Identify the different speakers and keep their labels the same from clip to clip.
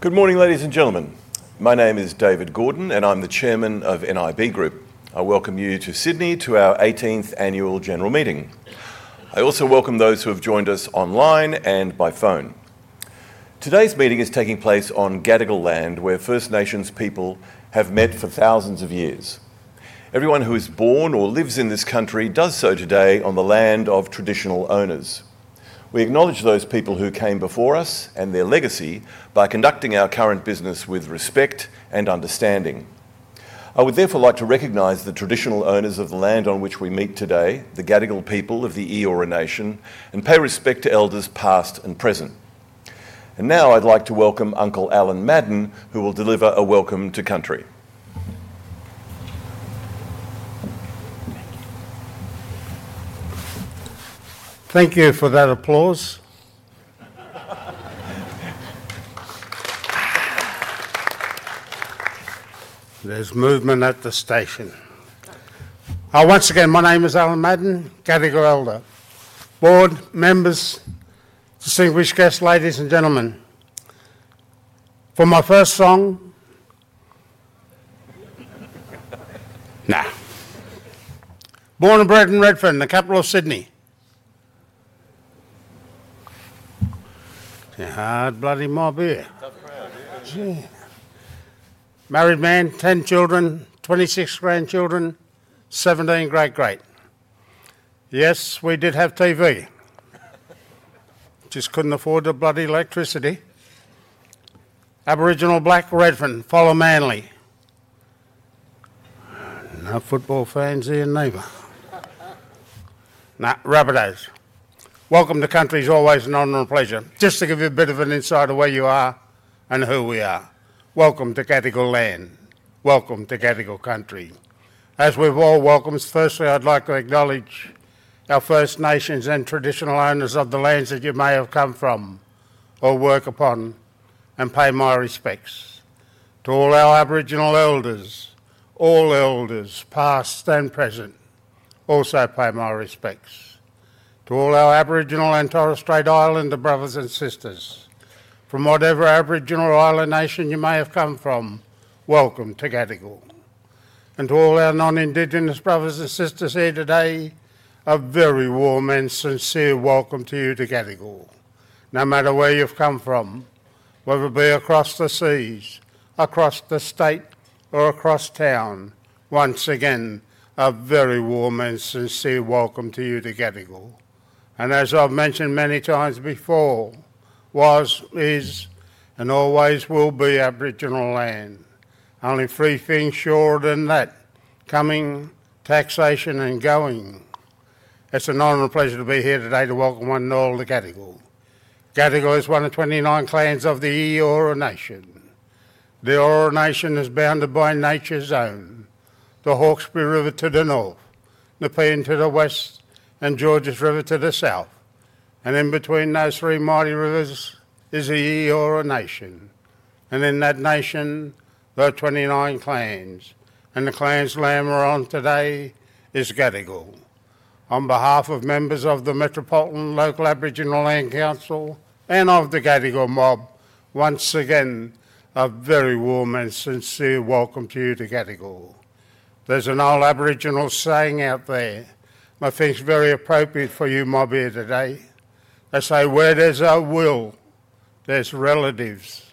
Speaker 1: Good morning, ladies and gentlemen. My name is David Gordon, and I'm the Chairman of NIB Group. I welcome you to Sydney to our 18th Annual General Meeting. I also welcome those who have joined us online and by phone. Today's meeting is taking place on Gadigal land, where First Nations people have met for thousands of years. Everyone who is born or lives in this country does so today on the land of traditional owners. We acknowledge those people who came before us and their legacy by conducting our current business with respect and understanding. I would therefore like to recognise the traditional owners of the land on which we meet today, the Gadigal people of the Eora Nation, and pay respect to Elders past and present. Now I'd like to welcome Uncle Allan Madden, who will deliver a welcome to country.
Speaker 2: Thank you for that applause. There's movement at the station. Once again, my name is Allan Madden, Gadigal Elder. Board, members, distinguished guests, ladies and gentlemen. For my first song. Now. Born and bred in Redfern, the capital of Sydney. Hard bloody mob here. Married man, 10 children, 26 grandchildren, 17 great-great. Yes, we did have TV. Just couldn't afford the bloody electricity. Aboriginal Black Redfern, Fuller Manly. No football fans here neither. No, Rabbit House. Welcome to country is always an honor and a pleasure. Just to give you a bit of an insight of where you are and who we are. Welcome to Gadigal land. Welcome to Gadigal country. As with all welcomes, firstly I'd like to acknowledge our First Nations and traditional owners of the lands that you may have come from. Or work upon, and pay my respects. To all our Aboriginal Elders, all Elders, past and present. Also pay my respects to all our Aboriginal and Torres Strait Islander brothers and sisters, from whatever Aboriginal Island nation you may have come from, welcome to Gadigal. To all our non-Indigenous brothers and sisters here today, a very warm and sincere welcome to you to Gadigal. No matter where you've come from, whether it be across the seas, across the state, or across town, once again, a very warm and sincere welcome to you to Gadigal. As I've mentioned many times before, was, is, and always will be Aboriginal land. Only three things shorter than that: coming, taxation, and going. It's an honor and a pleasure to be here today to welcome one and all to Gadigal. Gadigal is one of 29 clans of the Eora Nation. The Eora Nation is bounded by nature's own. The Hawkesbury River to the north, Nepean to the west, and George's River to the south. In between those three Māori rivers is the Eora Nation. In that nation, those 29 clans, and the clans land we're on today is Gadigal. On behalf of members of the Metropolitan Local Aboriginal Land Council and of the Gadigal mob, once again, a very warm and sincere welcome to you to Gadigal. There's an old Aboriginal saying out there, but I think it's very appropriate for you mob here today. They say, "Where there's a will. There's relatives."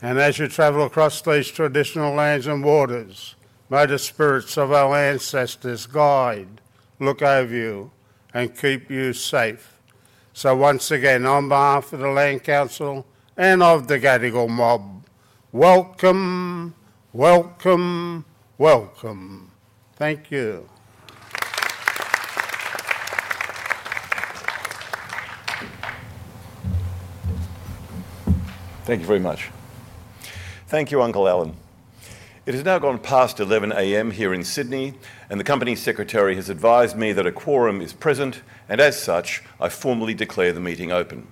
Speaker 2: As you travel across these traditional lands and waters, may the spirits of our ancestors guide, look over you, and keep you safe. Once again, on behalf of the Land Council and of the Gadigal mob, welcome. Welcome, welcome. Thank you.
Speaker 1: Thank you very much. Thank you, Uncle Allan. It has now gone past 11:00 A.M. here in Sydney, and the Company Secretary has advised me that a quorum is present, and as such, I formally declare the meeting open.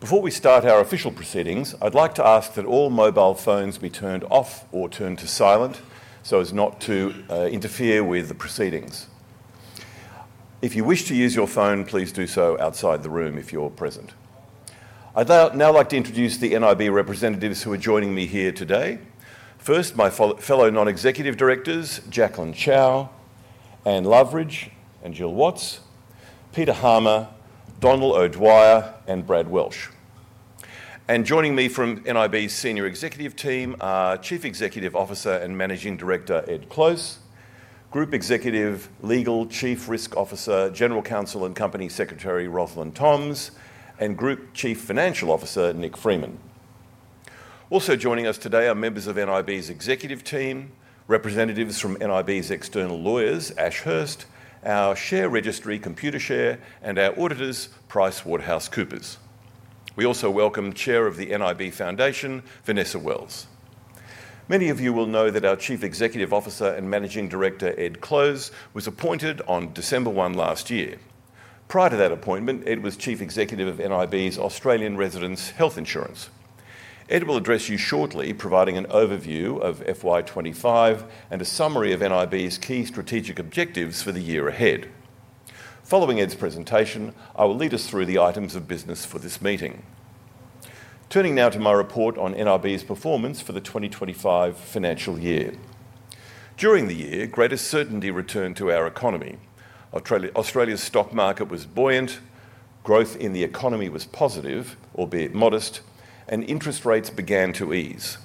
Speaker 1: Before we start our official proceedings, I'd like to ask that all mobile phones be turned off or turned to silent so as not to interfere with the proceedings. If you wish to use your phone, please do so outside the room if you're present. I'd now like to introduce the NIB representatives who are joining me here today. First, my fellow non-executive directors, Jacqueline Chow, Anne Loveridge, Jill Watts, Peter Harmer, Donald O'Dwyer, and Brad Welsh. Joining me from NIB's Senior Executive Team are Chief Executive Officer and Managing Director Ed Close, Group Executive, Legal, Chief Risk Officer, General Counsel, and Company Secretary Roslyn Toms, and Group Chief Financial Officer Nick Freeman. Also joining us today are members of NIB's Executive Team, representatives from NIB's external lawyers, Ashurst, our share registry, Computershare, and our auditors, PricewaterhouseCoopers. We also welcome Chair of the NIB Foundation, Vanessa Wells. Many of you will know that our Chief Executive Officer and Managing Director, Ed Close, was appointed on December 1 last year. Prior to that appointment, Ed was Chief Executive of NIB's Australian resident health insurance. Ed will address you shortly, providing an overview of FY 2025 and a summary of NIB's key strategic objectives for the year ahead. Following Ed's presentation, I will lead us through the items of business for this meeting. Turning now to my report on NIB's performance for the 2025 financial year. During the year, greater certainty returned to our economy. Australia's stock market was buoyant, growth in the economy was positive, albeit modest, and interest rates began to ease.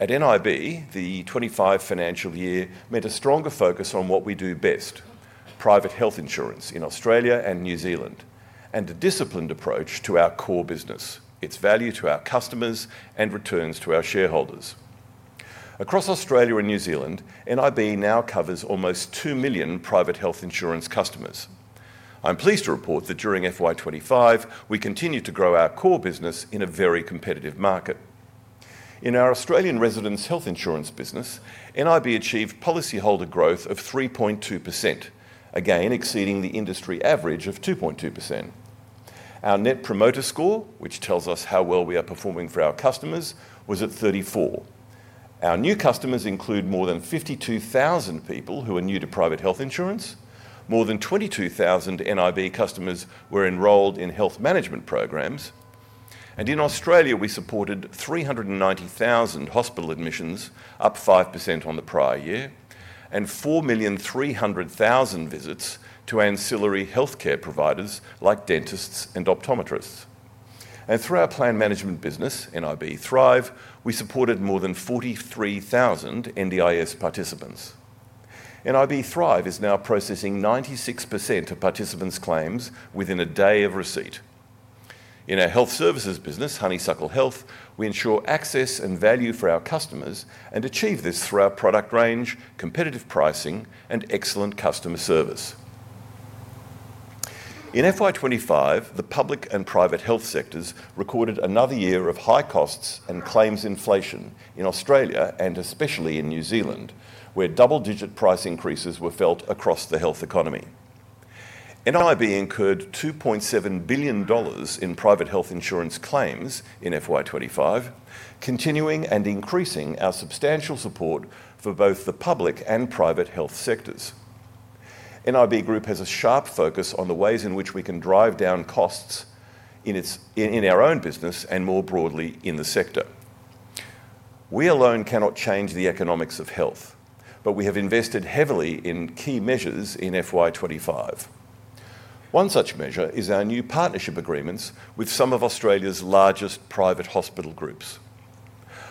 Speaker 1: At NIB, the 2025 financial year meant a stronger focus on what we do best: private health insurance in Australia and New Zealand, and a disciplined approach to our core business, its value to our customers, and returns to our shareholders. Across Australia and New Zealand, NIB now covers almost 2 million private health insurance customers. I'm pleased to report that during FY 2025, we continued to grow our core business in a very competitive market. In our Australian resident health insurance business, NIB achieved policyholder growth of 3.2%, again exceeding the industry average of 2.2%. Our Net Promoter Score, which tells us how well we are performing for our customers, was at 34. Our new customers include more than 52,000 people who are new to private health insurance. More than 22,000 NIB customers were enrolled in health management programs. In Australia, we supported 390,000 hospital admissions, up 5% on the prior year, and 4,300,000 visits to ancillary healthcare providers like dentists and optometrists. Through our plan management business, NIB Thrive, we supported more than 43,000 NDIS participants. NIB Thrive is now processing 96% of participants' claims within a day of receipt. In our health services business, Honeysuckle Health, we ensure access and value for our customers and achieve this through our product range, competitive pricing, and excellent customer service. In FY 2025, the public and private health sectors recorded another year of high costs and claims inflation in Australia and especially in New Zealand, where double-digit price increases were felt across the health economy. NIB incurred 2.7 billion dollars in private health insurance claims in Financial Year 2025, continuing and increasing our substantial support for both the public and private health sectors. NIB Group has a sharp focus on the ways in which we can drive down costs in our own business and more broadly in the sector. We alone cannot change the economics of health, but we have invested heavily in key measures in Financial Year 2025. One such measure is our new partnership agreements with some of Australia's largest private hospital groups.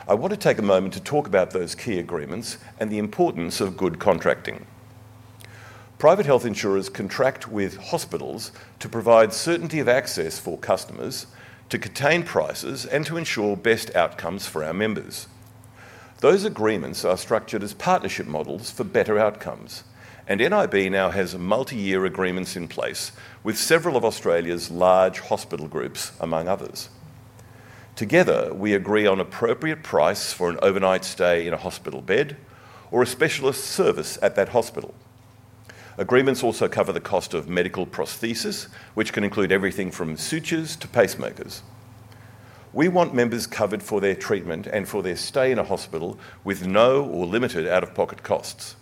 Speaker 1: I want to take a moment to talk about those key agreements and the importance of good contracting. Private health insurers contract with hospitals to provide certainty of access for customers, to contain prices, and to ensure best outcomes for our members. Those agreements are structured as partnership models for better outcomes, and NIB now has multi-year agreements in place with several of Australia's large hospital groups, among others. Together, we agree on appropriate price for an overnight stay in a hospital bed or a specialist service at that hospital. Agreements also cover the cost of medical prosthesis, which can include everything from sutures to pacemakers. We want members covered for their treatment and for their stay in a hospital with no or limited out-of-pocket costs.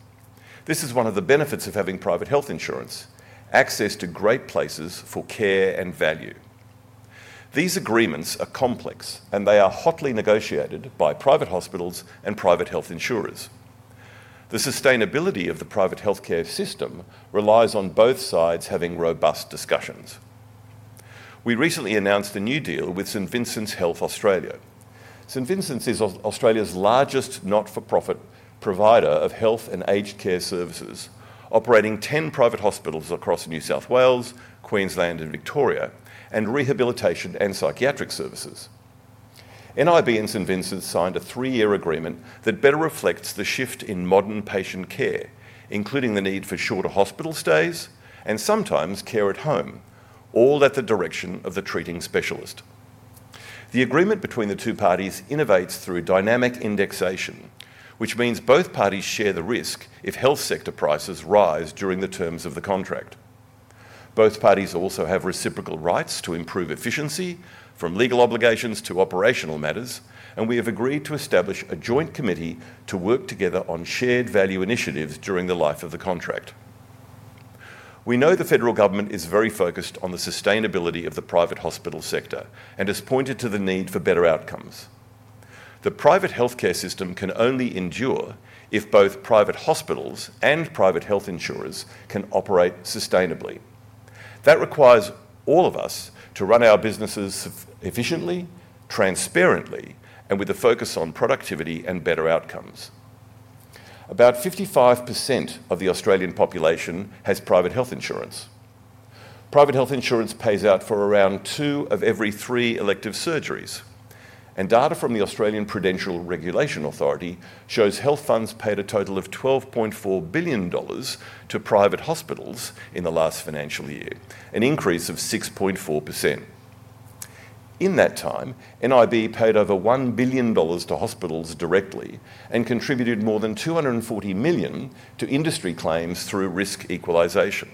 Speaker 1: This is one of the benefits of having private health insurance: access to great places for care and value. These agreements are complex, and they are hotly negotiated by private hospitals and private health insurers. The sustainability of the private healthcare system relies on both sides having robust discussions. We recently announced a new deal with St. Vincent's Health Australia. St. Vincent's is Australia's largest not-for-profit provider of health and aged care services, operating 10 private hospitals across New South Wales, Queensland, and Victoria, and rehabilitation and psychiatric services. NIB and St. Vincent's signed a three-year agreement that better reflects the shift in modern patient care, including the need for shorter hospital stays and sometimes care at home, all at the direction of the treating specialist. The agreement between the two parties innovates through dynamic indexation, which means both parties share the risk if health sector prices rise during the terms of the contract. Both parties also have reciprocal rights to improve efficiency, from legal obligations to operational matters, and we have agreed to establish a joint committee to work together on shared value initiatives during the life of the contract. We know the federal government is very focused on the sustainability of the private hospital sector and has pointed to the need for better outcomes. The private healthcare system can only endure if both private hospitals and private health insurers can operate sustainably. That requires all of us to run our businesses efficiently, transparently, and with a focus on productivity and better outcomes. About 55% of the Australian population has private health insurance. Private health insurance pays out for around two of every three elective surgeries, and data from the Australian Prudential Regulation Authority shows health funds paid a total of 12.4 billion dollars to private hospitals in the last financial year, an increase of 6.4%. In that time, NIB paid over 1 billion dollars to hospitals directly and contributed more than 240 million to industry claims through risk equalisation.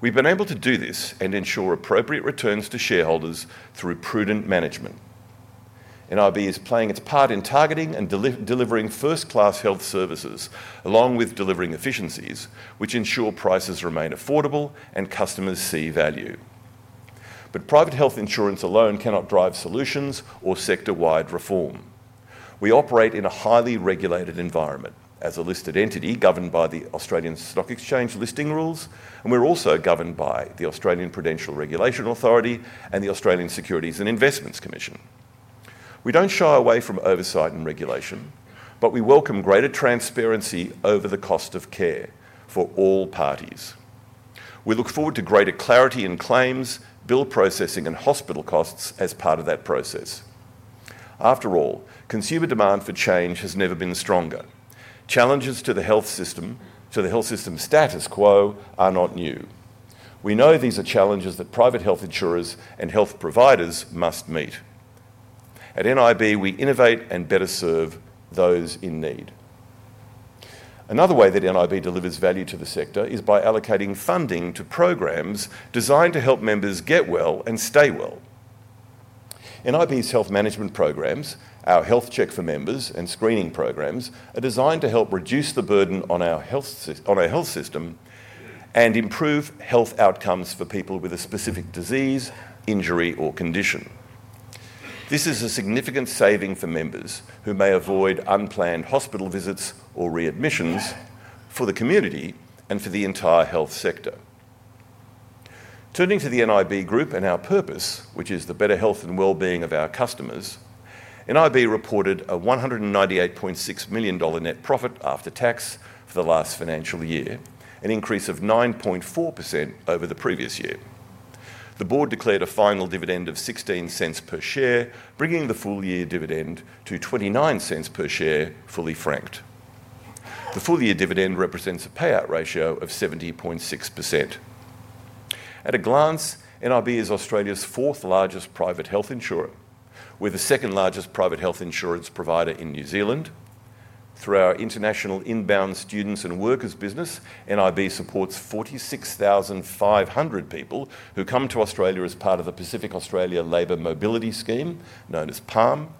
Speaker 1: We've been able to do this and ensure appropriate returns to shareholders through prudent management. NIB is playing its part in targeting and delivering first-class health services, along with delivering efficiencies, which ensure prices remain affordable and customers see value. Private health insurance alone cannot drive solutions or sector-wide reform. We operate in a highly regulated environment as a listed entity governed by the Australian Stock Exchange Listing Rules, and we're also governed by the Australian Prudential Regulation Authority and the Australian Securities and Investments Commission. We don't shy away from oversight and regulation, but we welcome greater transparency over the cost of care for all parties. We look forward to greater clarity in claims, bill processing, and hospital costs as part of that process. After all, consumer demand for change has never been stronger. Challenges to the health system, to the health system status quo, are not new. We know these are challenges that private health insurers and health providers must meet. At NIB, we innovate and better serve those in need. Another way that NIB delivers value to the sector is by allocating funding to programs designed to help members get well and stay well. NIB's health management programs, our health check for members, and screening programs are designed to help reduce the burden on our health system. They improve health outcomes for people with a specific disease, injury, or condition. This is a significant saving for members who may avoid unplanned hospital visits or readmissions for the community and for the entire health sector. Turning to the NIB Group and our purpose, which is the better health and well-being of our customers, NIB reported a 198.6 million dollar net profit after tax for the last financial year, an increase of 9.4% over the previous year. The board declared a final dividend of 0.16 per share, bringing the full-year dividend to 0.29 per share, fully franked. The full-year dividend represents a payout ratio of 70.6%. At a glance, NIB is Australia's fourth-largest private health insurer, with the second-largest private health insurance provider in New Zealand. Through our international inbound students and workers business, NIB supports 46,500 people who come to Australia as part of the Pacific Australia Labour Mobility Scheme, known as PALM,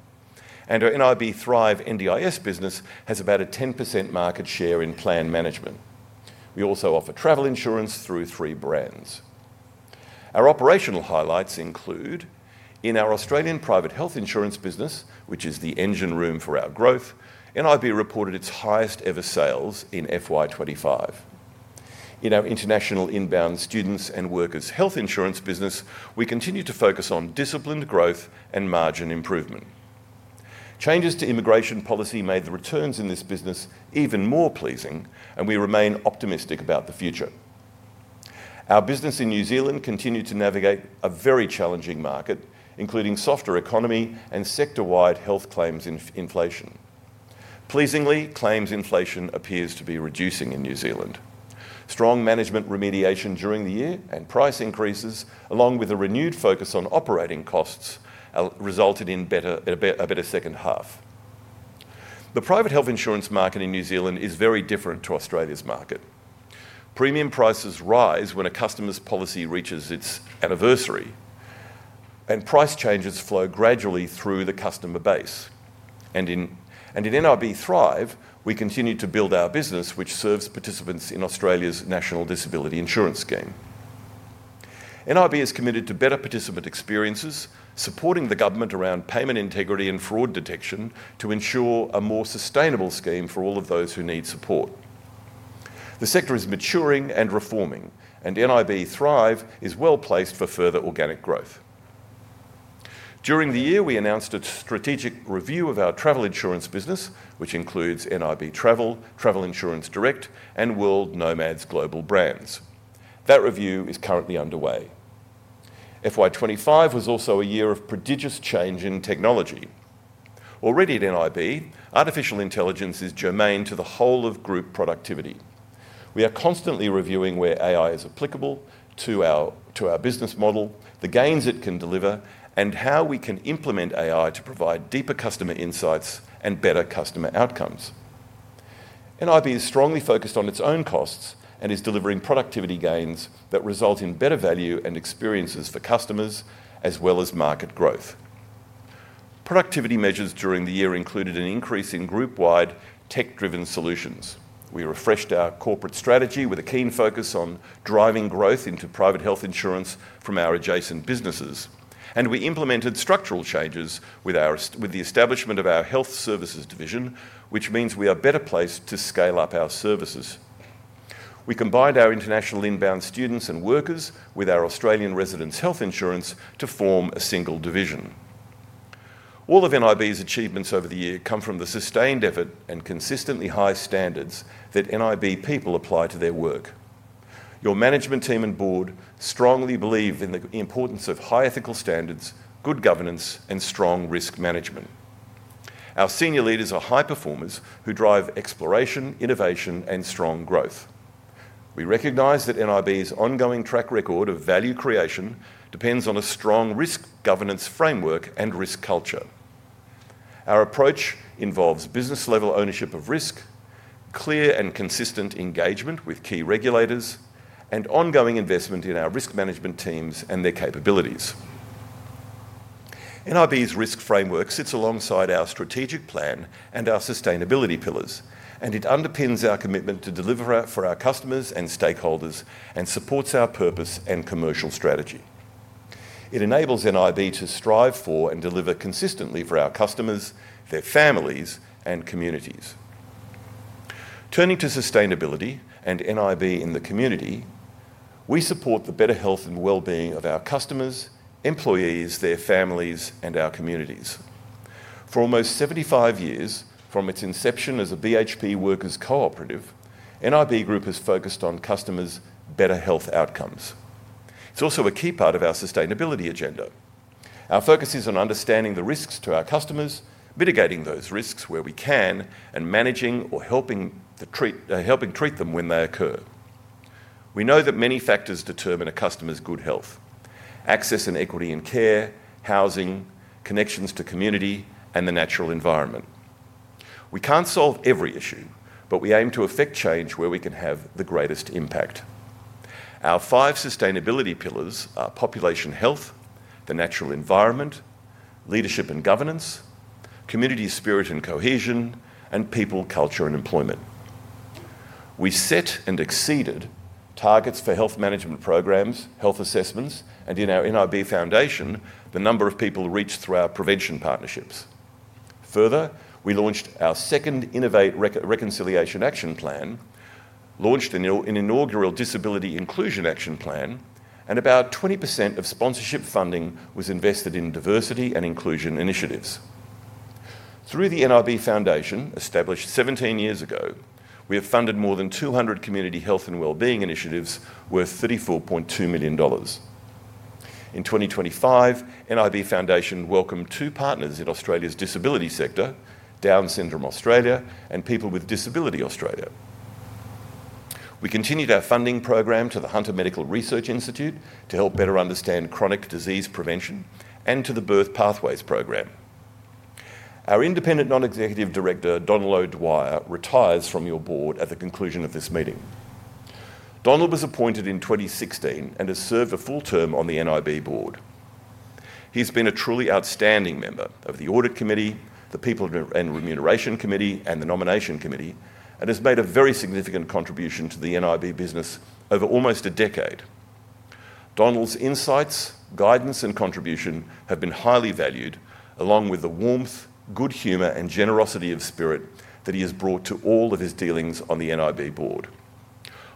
Speaker 1: and our NIB Thrive NDIS business has about a 10% market share in plan management. We also offer travel insurance through three brands. Our operational highlights include. In our Australian private health insurance business, which is the engine room for our growth, NIB reported its highest-ever sales in Financial Year 2025. In our international inbound students and workers health insurance business, we continue to focus on disciplined growth and margin improvement. Changes to immigration policy made the returns in this business even more pleasing, and we remain optimistic about the future. Our business in New Zealand continued to navigate a very challenging market, including a softer economy and sector-wide health claims inflation. Pleasingly, claims inflation appears to be reducing in New Zealand. Strong management remediation during the year and price increases, along with a renewed focus on operating costs, resulted in a better second half. The private health insurance market in New Zealand is very different to Australia's market. Premium prices rise when a customer's policy reaches its anniversary, and price changes flow gradually through the customer base. In NIB Thrive, we continue to build our business, which serves participants in Australia's national disability insurance scheme. NIB is committed to better participant experiences, supporting the government around payment integrity and fraud detection to ensure a more sustainable scheme for all of those who need support. The sector is maturing and reforming, and NIB Thrive is well placed for further organic growth. During the year, we announced a strategic review of our travel insurance business, which includes NIB Travel, Travel Insurance Direct, and World Nomads global brands. That review is currently underway. Financial Year 2025 was also a year of prodigious change in technology. Already at NIB, artificial intelligence is germane to the whole of group productivity. We are constantly reviewing where AI is applicable to our business model, the gains it can deliver, and how we can implement AI to provide deeper customer insights and better customer outcomes. NIB is strongly focused on its own costs and is delivering productivity gains that result in better value and experiences for customers, as well as market growth. Productivity measures during the year included an increase in group-wide tech-driven solutions. We refreshed our corporate strategy with a keen focus on driving growth into private health insurance from our adjacent businesses, and we implemented structural changes with the establishment of our health services division, which means we are better placed to scale up our services. We combined our international inbound students and workers with our Australian residents' health insurance to form a single division. All of NIB's achievements over the year come from the sustained effort and consistently high standards that NIB people apply to their work. Your management team and board strongly believe in the importance of high ethical standards, good governance, and strong risk management. Our senior leaders are high performers who drive exploration, innovation, and strong growth. We recognize that NIB's ongoing track record of value creation depends on a strong risk governance framework and risk culture. Our approach involves business-level ownership of risk, clear and consistent engagement with key regulators, and ongoing investment in our risk management teams and their capabilities. NIB's risk framework sits alongside our strategic plan and our sustainability pillars, and it underpins our commitment to deliver for our customers and stakeholders and supports our purpose and commercial strategy. It enables NIB to strive for and deliver consistently for our customers, their families, and communities. Turning to sustainability and NIB in the community, we support the better health and well-being of our customers, employees, their families, and our communities. For almost 75 years, from its inception as a BHP workers' cooperative, NIB Group has focused on customers' better health outcomes. It's also a key part of our sustainability agenda. Our focus is on understanding the risks to our customers, mitigating those risks where we can, and managing or helping treat them when they occur. We know that many factors determine a customer's good health: access and equity in care, housing, connections to community, and the natural environment. We can't solve every issue, but we aim to affect change where we can have the greatest impact. Our five sustainability pillars are population health, the natural environment, leadership and governance, community spirit and cohesion, and people, culture, and employment. We set and exceeded targets for health management programs, health assessments, and in our NIB Foundation, the number of people reached through our prevention partnerships. Further, we launched our second Innovate Reconciliation Action Plan. Launched an inaugural Disability Inclusion Action Plan, and about 20% of sponsorship funding was invested in diversity and inclusion initiatives. Through the NIB Foundation, established 17 years ago, we have funded more than 200 community health and well-being initiatives worth 34.2 million dollars. In 2025, NIB Foundation welcomed two partners in Australia's disability sector, Down Syndrome Australia and People with Disability Australia. We continued our funding program to the Hunter Medical Research Institute to help better understand chronic disease prevention and to the Birth Pathways Program. Our independent Non-Executive Director, Donald O'Dwyer, retires from your board at the conclusion of this meeting. Donald was appointed in 2016 and has served a full term on the NIB board. He's been a truly outstanding member of the Audit Committee, the People and Remuneration Committee, and the Nomination Committee, and has made a very significant contribution to the NIB business over almost a decade. Donald's insights, guidance, and contribution have been highly valued, along with the warmth, good humor, and generosity of spirit that he has brought to all of his dealings on the NIB board.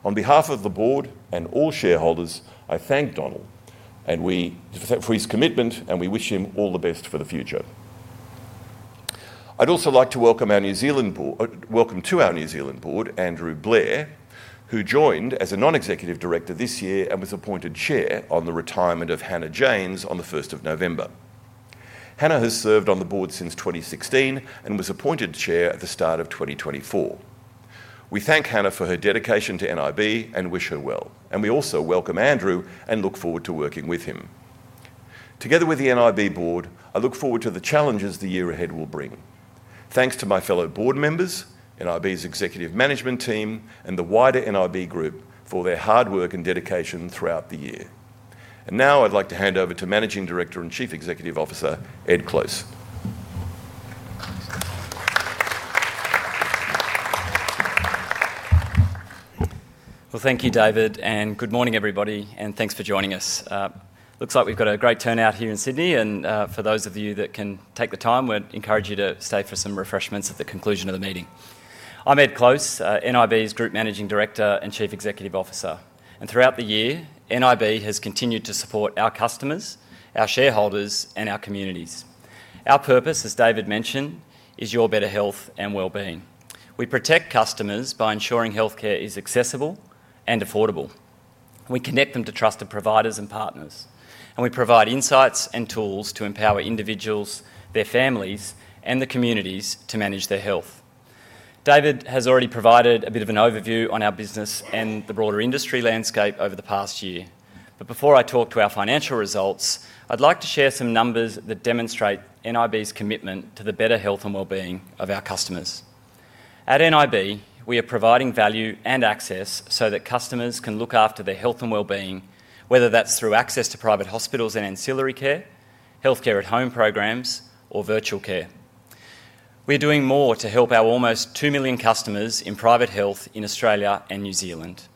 Speaker 1: On behalf of the board and all shareholders, I thank Donald for his commitment, and we wish him all the best for the future. I'd also like to welcome our New Zealand board, welcome to our New Zealand board, Andrew Blair, who joined as a non-executive director this year and was appointed chair on the retirement of Hannah Janes on the 1st of November. Hannah has served on the board since 2016 and was appointed chair at the start of 2024. We thank Hannah for her dedication to NIB and wish her well, and we also welcome Andrew and look forward to working with him. Together with the NIB board, I look forward to the challenges the year ahead will bring. Thanks to my fellow board members, NIB's executive management team, and the wider NIB Group for their hard work and dedication throughout the year. I would now like to hand over to Managing Director and Chief Executive Officer, Ed Close.
Speaker 3: Thank you, David, and good morning, everybody, and thanks for joining us. Looks like we've got a great turnout here in Sydney, and for those of you that can take the time, we'd encourage you to stay for some refreshments at the conclusion of the meeting. I'm Ed Close, NIB's Group Managing Director and Chief Executive Officer, and throughout the year, NIB has continued to support our customers, our shareholders, and our communities. Our purpose, as David mentioned, is your better health and well-being. We protect customers by ensuring healthcare is accessible and affordable. We connect them to trusted providers and partners, and we provide insights and tools to empower individuals, their families, and the communities to manage their health. David has already provided a bit of an overview on our business and the broader industry landscape over the past year, but before I talk to our financial results, I'd like to share some numbers that demonstrate NIB's commitment to the better health and well-being of our customers. At NIB, we are providing value and access so that customers can look after their health and well-being, whether that's through access to private hospitals and ancillary care, healthcare at home programs, or virtual care. We're doing more to help our almost 2 million customers in private health in Australia and New Zealand.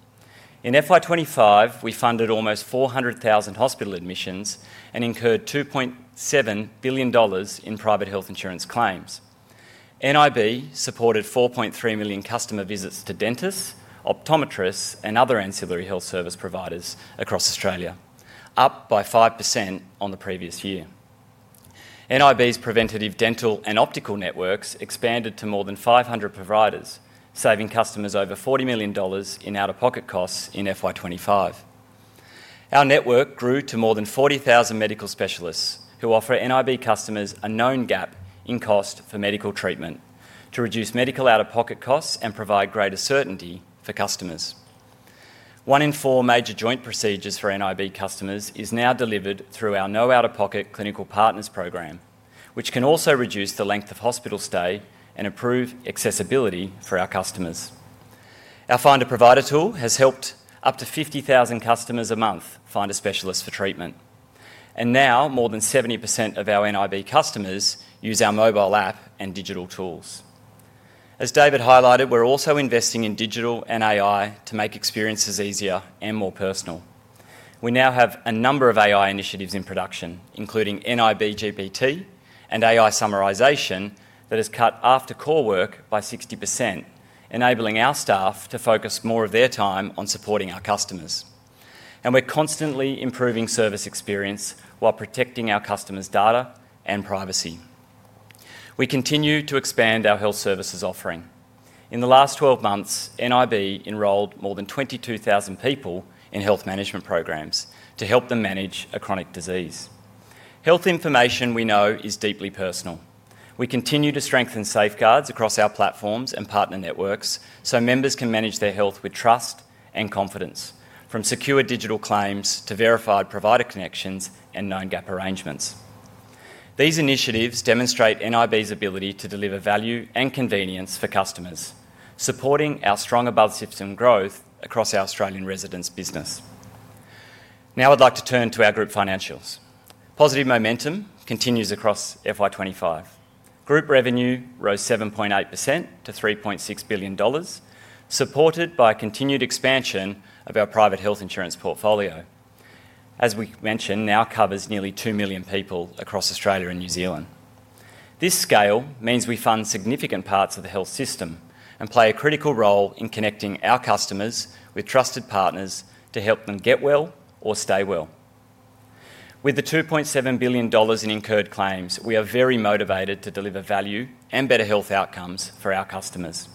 Speaker 3: In Financial Year 2025, we funded almost 400,000 hospital admissions and incurred 2.7 billion dollars in private health insurance claims. NIB supported 4.3 million customer visits to dentists, optometrists, and other ancillary health service providers across Australia, up by 5% on the previous year. NIB's preventative dental and optical networks expanded to more than 500 providers, saving customers over 40 million dollars in out-of-pocket costs in FY 2025. Our network grew to more than 40,000 medical specialists who offer NIB customers a known gap in cost for medical treatment to reduce medical out-of-pocket costs and provide greater certainty for customers. One in four major joint procedures for NIB customers is now delivered through our No Out-of-Pocket Clinical Partners Program, which can also reduce the length of hospital stay and improve accessibility for our customers. Our Find-a-Provider tool has helped up to 50,000 customers a month find a specialist for treatment, and now more than 70% of our NIB customers use our mobile app and digital tools. As David highlighted, we're also investing in digital and AI to make experiences easier and more personal. We now have a number of AI initiatives in production, including NIB GPT and AI summarization that has cut after-call work by 60%, enabling our staff to focus more of their time on supporting our customers. We are constantly improving service experience while protecting our customers' data and privacy. We continue to expand our health services offering. In the last 12 months, NIB enrolled more than 22,000 people in health management programs to help them manage a chronic disease. Health information, we know, is deeply personal. We continue to strengthen safeguards across our platforms and partner networks so members can manage their health with trust and confidence, from secure digital claims to verified provider connections and known gap arrangements. These initiatives demonstrate NIB's ability to deliver value and convenience for customers, supporting our strong above-system growth across our Australian residents' business. Now I'd like to turn to our group financials. Positive momentum continues across FY 2025. Group revenue rose 7.8% to 3.6 billion dollars, supported by continued expansion of our private health insurance portfolio, as we mentioned, now covers nearly 2 million people across Australia and New Zealand. This scale means we fund significant parts of the health system and play a critical role in connecting our customers with trusted partners to help them get well or stay well. With the 2.7 billion dollars in incurred claims, we are very motivated to deliver value and better health outcomes for our customers.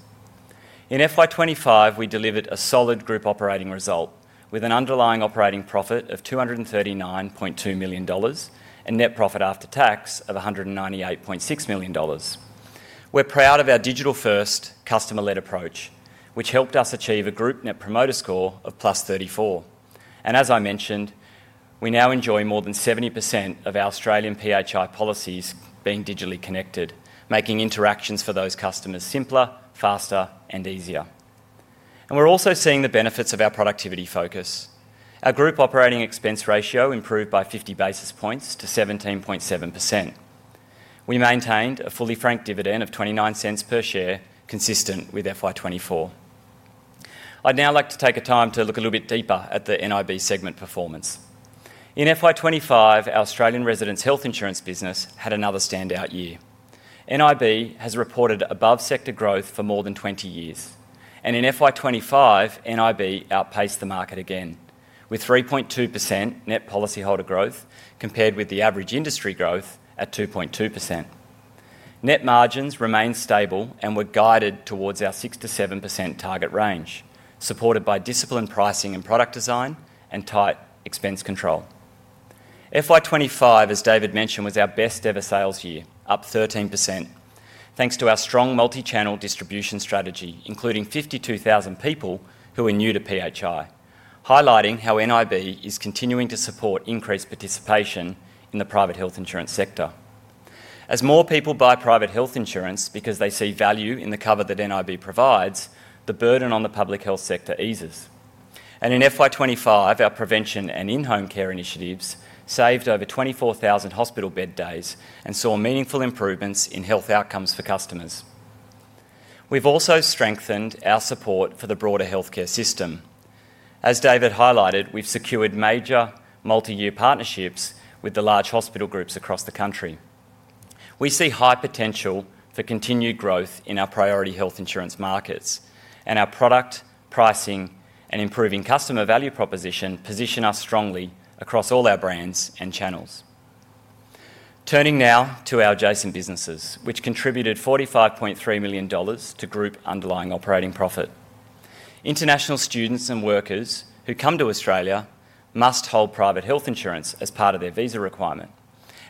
Speaker 3: In FY 2025, we delivered a solid group operating result with an underlying operating profit of 239.2 million dollars and net profit after tax of 198.6 million dollars. We're proud of our digital-first customer-led approach, which helped us achieve a Group Net Promoter Score of plus 34. As I mentioned, we now enjoy more than 70% of our Australian PHI policies being digitally connected, making interactions for those customers simpler, faster, and easier. We are also seeing the benefits of our productivity focus. Our group operating expense ratio improved by 50 basis points to 17.7%. We maintained a fully franked dividend of 0.29 per share, consistent with FY 2024. I would now like to take a time to look a little bit deeper at the NIB segment performance. In FY 2025, our Australian residents' health insurance business had another standout year. NIB has reported above-sector growth for more than 20 years, and in FY 2025, NIB outpaced the market again with 3.2% net policyholder growth compared with the average industry growth at 2.2%. Net margins remained stable and were guided towards our 6% - 7% target range, supported by disciplined pricing and product design and tight expense control. FY 2025, as David mentioned, was our best-ever sales year, up 13%, thanks to our strong multi-channel distribution strategy, including 52,000 people who are new to PHI, highlighting how NIB is continuing to support increased participation in the private health insurance sector. As more people buy private health insurance because they see value in the cover that NIB provides, the burden on the public health sector eases. In FY 2025, our prevention and in-home care initiatives saved over 24,000 hospital bed days and saw meaningful improvements in health outcomes for customers. We have also strengthened our support for the broader healthcare system. As David highlighted, we have secured major multi-year partnerships with the large hospital groups across the country. We see high potential for continued growth in our priority health insurance markets, and our product, pricing, and improving customer value proposition position us strongly across all our brands and channels. Turning now to our adjacent businesses, which contributed 45.3 million dollars to group underlying operating profit. International students and workers who come to Australia must hold private health insurance as part of their visa requirement.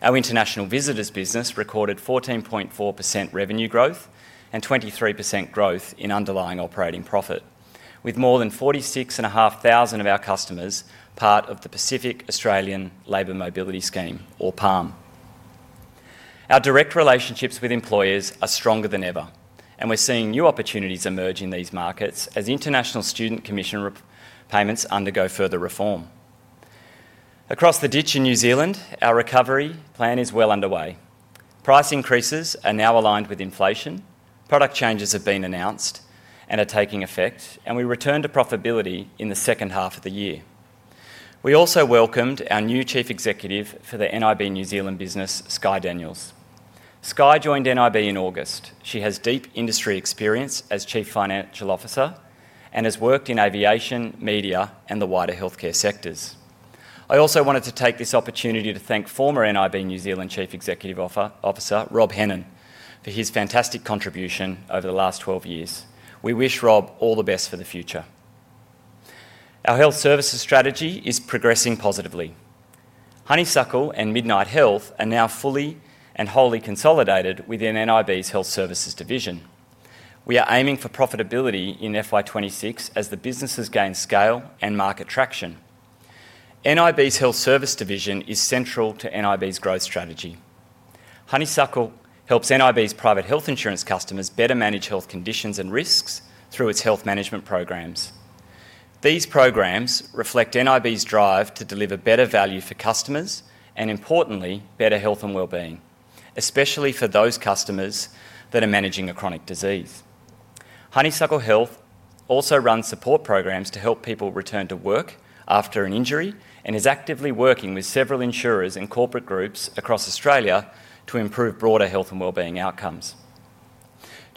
Speaker 3: Our international visitors business recorded 14.4% revenue growth and 23% growth in underlying operating profit, with more than 46,500 of our customers part of the Pacific Australia Labour Mobility Scheme, or PALM. Our direct relationships with employers are stronger than ever, and we're seeing new opportunities emerge in these markets as international student commission payments undergo further reform. Across the ditch in New Zealand, our recovery plan is well underway. Price increases are now aligned with inflation. Product changes have been announced and are taking effect, and we returned to profitability in the second half of the year. We also welcomed our new Chief Executive for the NIB New Zealand business, Sky Daniels. Sky joined NIB in August. She has deep industry experience as Chief Financial Officer and has worked in aviation, media, and the wider healthcare sectors. I also wanted to take this opportunity to thank former NIB New Zealand Chief Executive Officer, Rob Hennon, for his fantastic contribution over the last 12 years. We wish Rob all the best for the future. Our health services strategy is progressing positively. Honeysuckle and Midnight Health are now fully and wholly consolidated within NIB's health services division. We are aiming for profitability in FY 2026 as the businesses gain scale and market traction. NIB's health service division is central to NIB's growth strategy. Honeysuckle helps NIB's private health insurance customers better manage health conditions and risks through its health management programs. These programs reflect NIB's drive to deliver better value for customers and, importantly, better health and well-being, especially for those customers that are managing a chronic disease. Honeysuckle Health also runs support programs to help people return to work after an injury and is actively working with several insurers and corporate groups across Australia to improve broader health and well-being outcomes.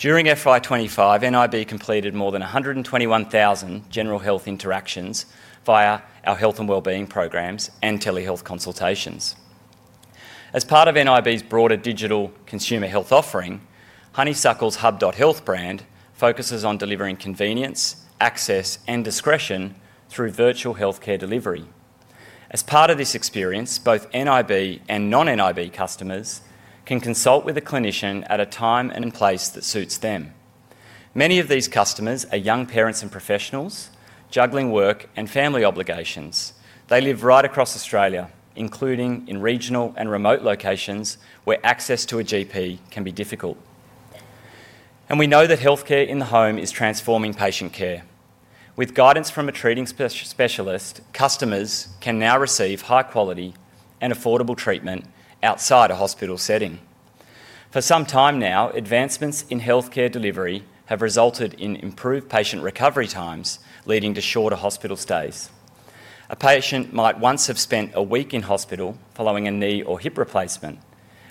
Speaker 3: During FY 2025, NIB completed more than 121,000 general health interactions via our health and well-being programs and telehealth consultations. As part of NIB's broader digital consumer health offering, Honeysuckle's hub.health brand focuses on delivering convenience, access, and discretion through virtual healthcare delivery. As part of this experience, both NIB and non-NIB customers can consult with a clinician at a time and place that suits them. Many of these customers are young parents and professionals juggling work and family obligations. They live right across Australia, including in regional and remote locations where access to a GP can be difficult. We know that healthcare in the home is transforming patient care. With guidance from a treating specialist, customers can now receive high-quality and affordable treatment outside a hospital setting. For some time now, advancements in healthcare delivery have resulted in improved patient recovery times, leading to shorter hospital stays. A patient might once have spent a week in hospital following a knee or hip replacement,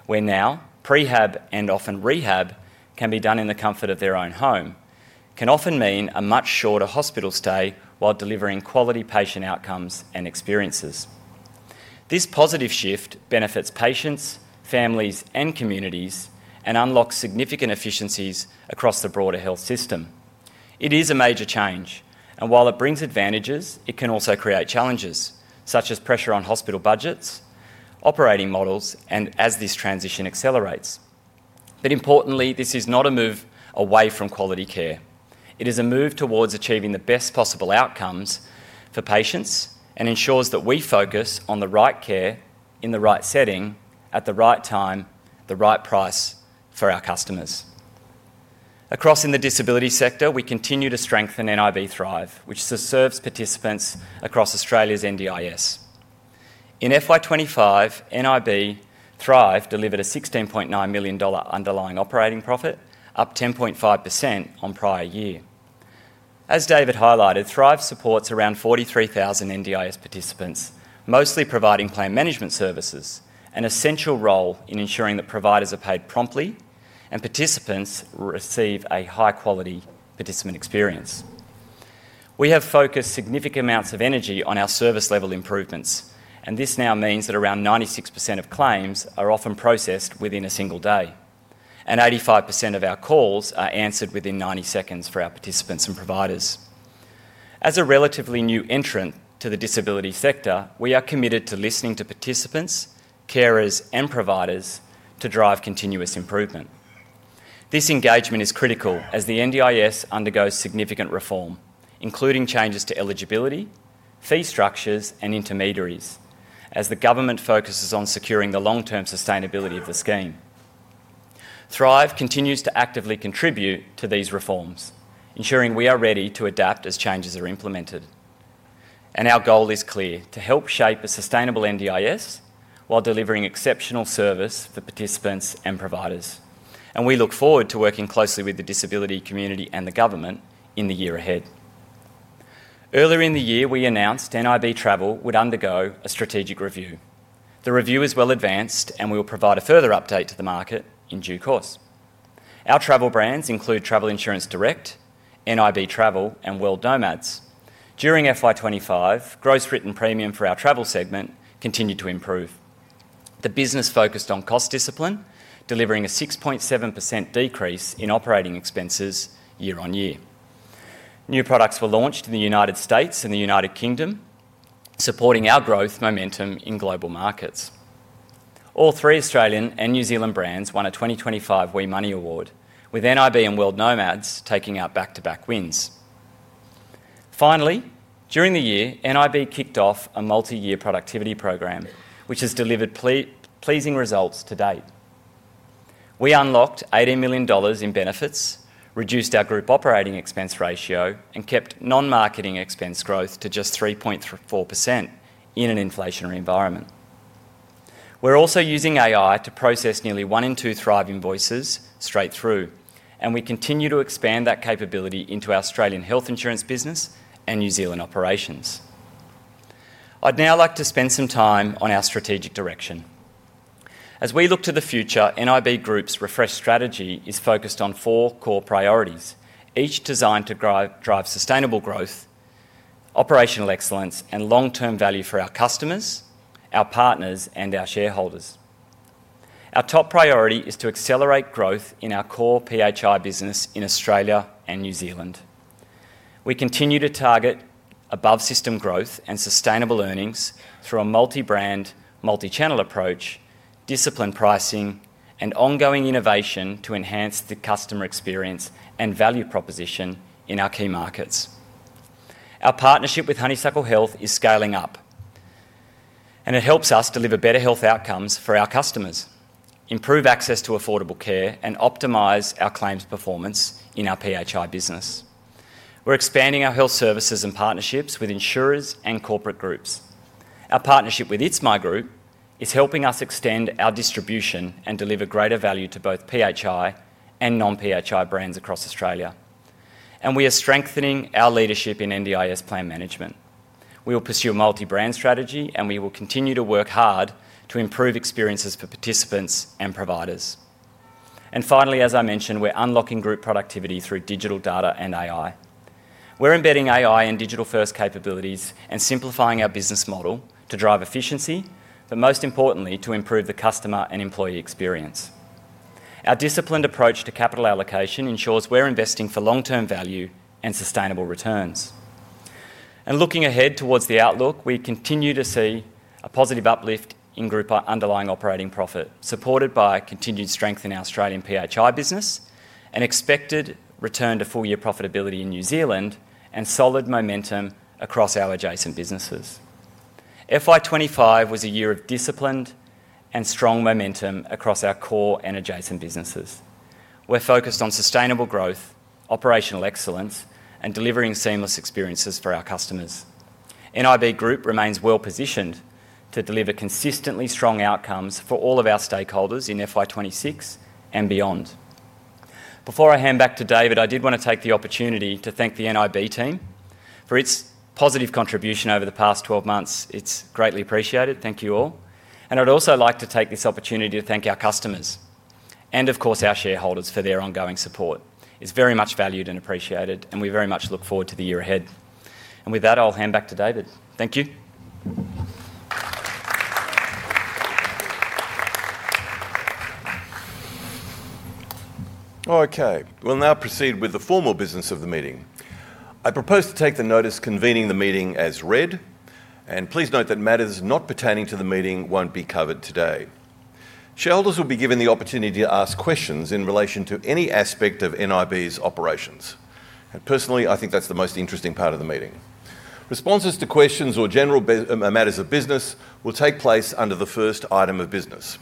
Speaker 3: where now prehab and often rehab can be done in the comfort of their own home, which can often mean a much shorter hospital stay while delivering quality patient outcomes and experiences. This positive shift benefits patients, families, and communities and unlocks significant efficiencies across the broader health system. It is a major change, and while it brings advantages, it can also create challenges, such as pressure on hospital budgets, operating models, and as this transition accelerates. Importantly, this is not a move away from quality care. It is a move towards achieving the best possible outcomes for patients and ensures that we focus on the right care in the right setting, at the right time, the right price for our customers. Across in the disability sector, we continue to strengthen NIB Thrive, which serves participants across Australia's NDIS. In Financial Year 2025, NIB Thrive delivered an 16.9 million dollar underlying operating profit, up 10.5% on prior year. As David highlighted, Thrive supports around 43,000 NDIS participants, mostly providing plan management services, an essential role in ensuring that providers are paid promptly and participants receive a high-quality participant experience. We have focused significant amounts of energy on our service-level improvements, and this now means that around 96% of claims are often processed within a single day, and 85% of our calls are answered within 90 seconds for our participants and providers. As a relatively new entrant to the disability sector, we are committed to listening to participants, carers, and providers to drive continuous improvement. This engagement is critical as the NDIS undergoes significant reform, including changes to eligibility, fee structures, and intermediaries, as the government focuses on securing the long-term sustainability of the scheme. Thrive continues to actively contribute to these reforms, ensuring we are ready to adapt as changes are implemented. Our goal is clear: to help shape a sustainable NDIS while delivering exceptional service for participants and providers. We look forward to working closely with the disability community and the government in the year ahead. Earlier in the year, we announced NIB Travel would undergo a strategic review. The review is well advanced, and we will provide a further update to the market in due course. Our travel brands include Travel Insurance Direct, NIB Travel, and World Nomads. During FY 2025, gross written premium for our travel segment continued to improve. The business focused on cost discipline, delivering a 6.7% decrease in operating expenses year-on-year. New products were launched in the United States and the United Kingdom, supporting our growth momentum in global markets. All three Australian and New Zealand brands won a 2025 WeMoney Award, with NIB and World Nomads taking out back-to-back wins. Finally, during the year, NIB kicked off a multi-year productivity program, which has delivered pleasing results to date. We unlocked 18 million dollars in benefits, reduced our group operating expense ratio, and kept non-marketing expense growth to just 3.4% in an inflationary environment. We're also using AI to process nearly one in two Thrive invoices straight through, and we continue to expand that capability into our Australian health insurance business and New Zealand operations. I'd now like to spend some time on our strategic direction. As we look to the future, NIB Group's refreshed strategy is focused on four core priorities, each designed to drive sustainable growth, operational excellence, and long-term value for our customers, our partners, and our shareholders. Our top priority is to accelerate growth in our core PHI business in Australia and New Zealand. We continue to target above-system growth and sustainable earnings through a multi-brand, multi-channel approach, discipline pricing, and ongoing innovation to enhance the customer experience and value proposition in our key markets. Our partnership with Honeysuckle Health is scaling up. It helps us deliver better health outcomes for our customers, improve access to affordable care, and optimize our claims performance in our PHI business. We are expanding our health services and partnerships with insurers and corporate groups. Our partnership with itsMyGroup is helping us extend our distribution and deliver greater value to both PHI and non-PHI brands across Australia. We are strengthening our leadership in NDIS plan management. We will pursue a multi-brand strategy, and we will continue to work hard to improve experiences for participants and providers. Finally, as I mentioned, we are unlocking group productivity through digital data and AI. We are embedding AI and digital-first capabilities and simplifying our business model to drive efficiency, but most importantly, to improve the customer and employee experience. Our disciplined approach to capital allocation ensures we are investing for long-term value and sustainable returns. Looking ahead towards the outlook, we continue to see a positive uplift in group underlying operating profit, supported by continued strength in our Australian PHI business, an expected return to full-year profitability in New Zealand, and solid momentum across our adjacent businesses. FY 2025 was a year of disciplined and strong momentum across our core and adjacent businesses. We are focused on sustainable growth, operational excellence, and delivering seamless experiences for our customers. NIB Group remains well-positioned to deliver consistently strong outcomes for all of our stakeholders in FY 2026 and beyond. Before I hand back to David, I did want to take the opportunity to thank the NIB team for its positive contribution over the past 12 months. It is greatly appreciated. Thank you all. I would also like to take this opportunity to thank our customers and, of course, our shareholders for their ongoing support. It's very much valued and appreciated, and we very much look forward to the year ahead. With that, I'll hand back to David. Thank you.
Speaker 1: Okay. We'll now proceed with the formal business of the meeting. I propose to take the notice convening the meeting as read, and please note that matters not pertaining to the meeting won't be covered today. Shareholders will be given the opportunity to ask questions in relation to any aspect of NIB's operations. Personally, I think that's the most interesting part of the meeting. Responses to questions or general matters of business will take place under the first item of business.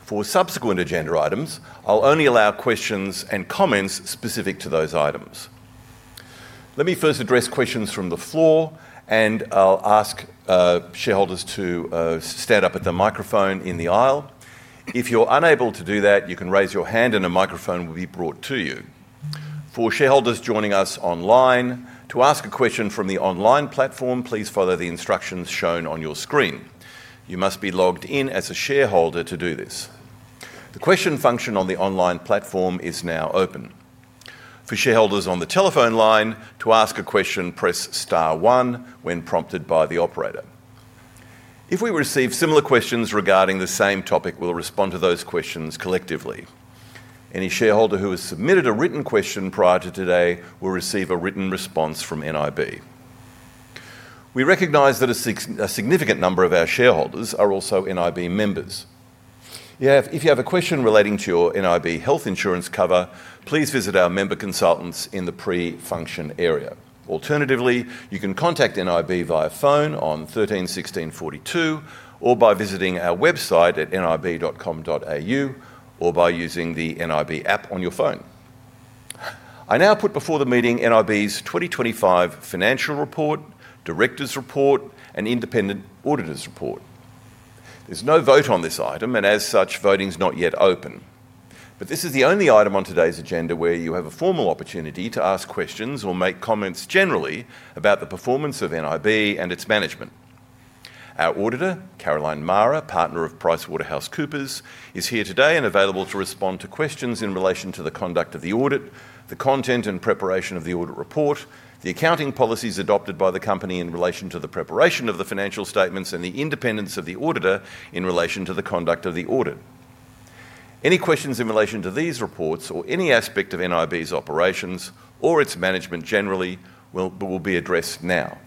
Speaker 1: For subsequent agenda items, I'll only allow questions and comments specific to those items. Let me first address questions from the floor, and I'll ask shareholders to stand up at the microphone in the aisle. If you're unable to do that, you can raise your hand, and a microphone will be brought to you. For shareholders joining us online, to ask a question from the online platform, please follow the instructions shown on your screen. You must be logged in as a shareholder to do this. The question function on the online platform is now open. For shareholders on the telephone line, to ask a question, press star one when prompted by the operator. If we receive similar questions regarding the same topic, we'll respond to those questions collectively. Any shareholder who has submitted a written question prior to today will receive a written response from NIB. We recognize that a significant number of our shareholders are also NIB members. If you have a question relating to your NIB health insurance cover, please visit our member consultants in the pre-function area. Alternatively, you can contact NIB via phone on 131642 or by visiting our website at nib.com.au or by using the NIB app on your phone. I now put before the meeting NIB's 2025 financial report, director's report, and independent auditor's report. There is no vote on this item, and as such, voting is not yet open. This is the only item on today's agenda where you have a formal opportunity to ask questions or make comments generally about the performance of NIB and its management. Our auditor, Caroline Mara, partner of PricewaterhouseCoopers, is here today and available to respond to questions in relation to the conduct of the audit, the content and preparation of the audit report, the accounting policies adopted by the company in relation to the preparation of the financial statements, and the independence of the auditor in relation to the conduct of the audit. Any questions in relation to these reports or any aspect of NIB's operations or its management generally will be addressed now.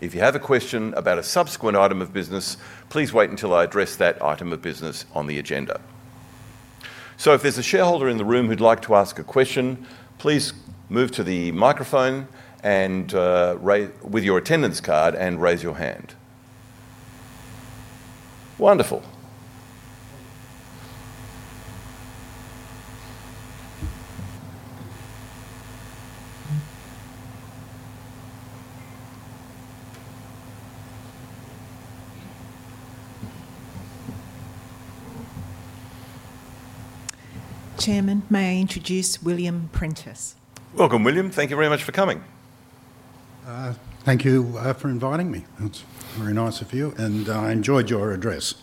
Speaker 1: If you have a question about a subsequent item of business, please wait until I address that item of business on the agenda. If there's a shareholder in the room who'd like to ask a question, please move to the microphone with your attendance card and raise your hand. Wonderful.
Speaker 4: Chairman, may I introduce William Prentice.
Speaker 1: Welcome, William. Thank you very much for coming.
Speaker 5: Thank you for inviting me. That's very nice of you, and I enjoyed your address.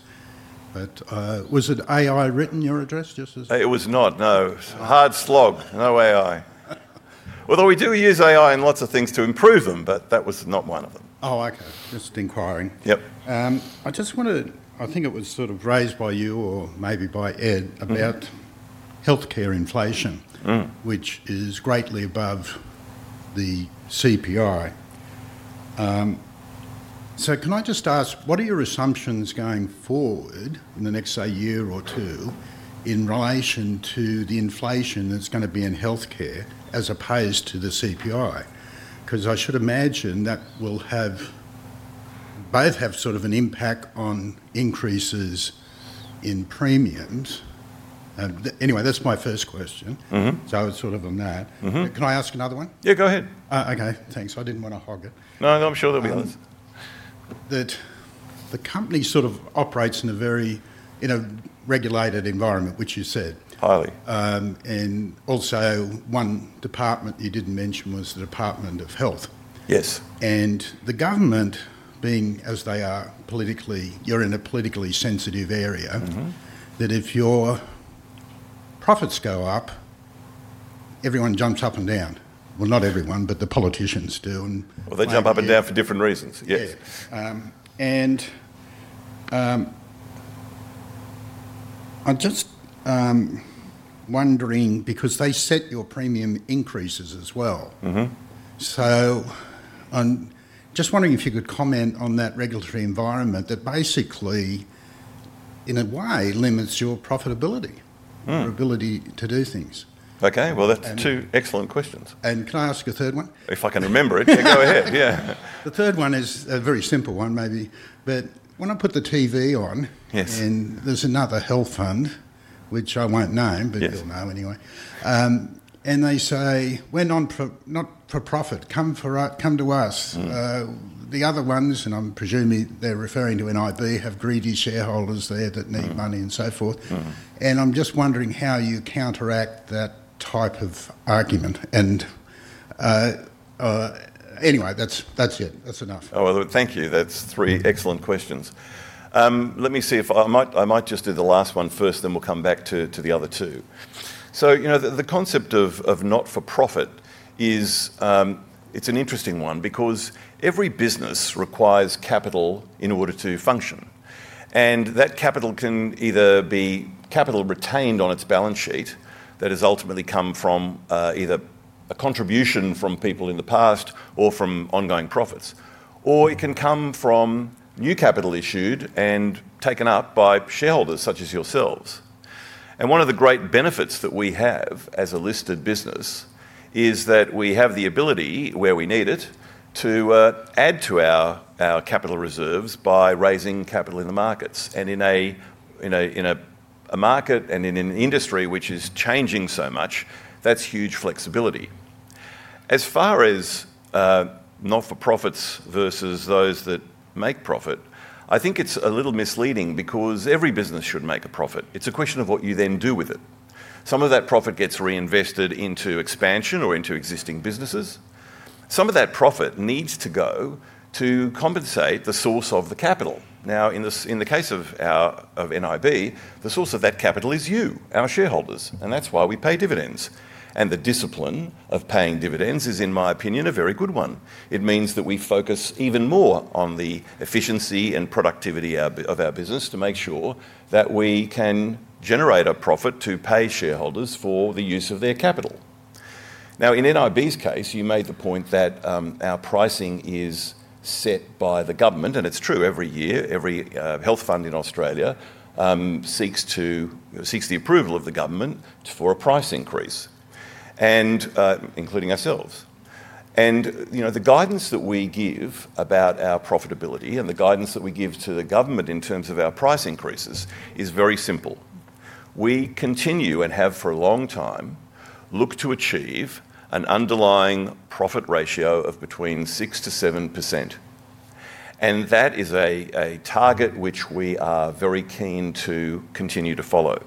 Speaker 5: But was it AI written, your address, just as?
Speaker 1: It was not, no. Hard slog, no AI. Although we do use AI in lots of things to improve them, that was not one of them.
Speaker 5: Oh, okay. Just inquiring.
Speaker 1: Yep.
Speaker 5: I just want to—I think it was sort of raised by you or maybe by Ed about healthcare inflation, which is greatly above the CPI. Can I just ask, what are your assumptions going forward in the next, say, year or two in relation to the inflation that's going to be in healthcare as opposed to the CPI? I should imagine that will have—both have sort of an impact on increases in premiums. Anyway, that's my first question. It's sort of on that. Can I ask another one?
Speaker 1: Yeah, go ahead.
Speaker 5: Okay. Thanks. I didn't want to hog it.
Speaker 1: No, I'm sure there'll be others.
Speaker 5: The company sort of operates in a very regulated environment, which you said. Highly. Also, one department you didn't mention was the Department of Health.
Speaker 1: Yes.
Speaker 5: The government, being as they are politically—you are in a politically sensitive area—that if your profits go up, everyone jumps up and down. Not everyone, but the politicians do. They jump up and down for different reasons. Yes. I am just wondering because they set your premium increases as well. I am just wondering if you could comment on that regulatory environment that basically, in a way, limits your profitability, your ability to do things.
Speaker 1: That is two excellent questions.
Speaker 5: Can I ask a third one?
Speaker 1: If I can remember it, then go ahead.
Speaker 5: The third one is a very simple one, maybe. When I put the TV on and there is another health fund, which I will not name, but you will know anyway, and they say, "We are not for profit. Come to us." The other ones, and I'm presuming they're referring to NIB, have greedy shareholders there that need money and so forth. I'm just wondering how you counteract that type of argument. Anyway, that's it. That's enough.
Speaker 1: Thank you. That's three excellent questions. Let me see if I might just do the last one first, then we'll come back to the other two. The concept of not for profit is an interesting one because every business requires capital in order to function. That capital can either be capital retained on its balance sheet that has ultimately come from either a contribution from people in the past or from ongoing profits, or it can come from new capital issued and taken up by shareholders such as yourselves. One of the great benefits that we have as a listed business is that we have the ability, where we need it, to add to our capital reserves by raising capital in the markets. In a market and in an industry which is changing so much, that's huge flexibility. As far as not for profits versus those that make profit, I think it's a little misleading because every business should make a profit. It's a question of what you then do with it. Some of that profit gets reinvested into expansion or into existing businesses. Some of that profit needs to go to compensate the source of the capital. Now, in the case of NIB, the source of that capital is you, our shareholders, and that's why we pay dividends. The discipline of paying dividends is, in my opinion, a very good one. It means that we focus even more on the efficiency and productivity of our business to make sure that we can generate a profit to pay shareholders for the use of their capital. Now, in NIB's case, you made the point that our pricing is set by the government, and it's true every year. Every health fund in Australia seeks the approval of the government for a price increase, including ourselves. The guidance that we give about our profitability and the guidance that we give to the government in terms of our price increases is very simple. We continue and have for a long time looked to achieve an underlying profit ratio of between 6% - 7%. That is a target which we are very keen to continue to follow.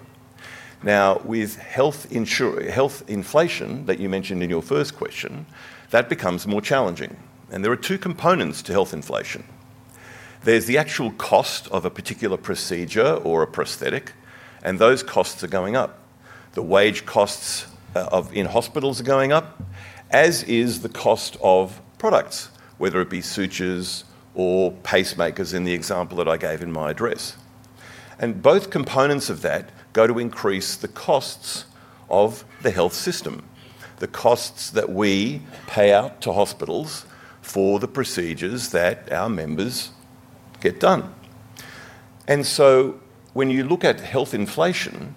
Speaker 1: Now, with health inflation that you mentioned in your first question, that becomes more challenging. There are two components to health inflation. There's the actual cost of a particular procedure or a prosthetic, and those costs are going up. The wage costs in hospitals are going up, as is the cost of products, whether it be sutures or pacemakers in the example that I gave in my address. Both components of that go to increase the costs of the health system, the costs that we pay out to hospitals for the procedures that our members get done. When you look at health inflation,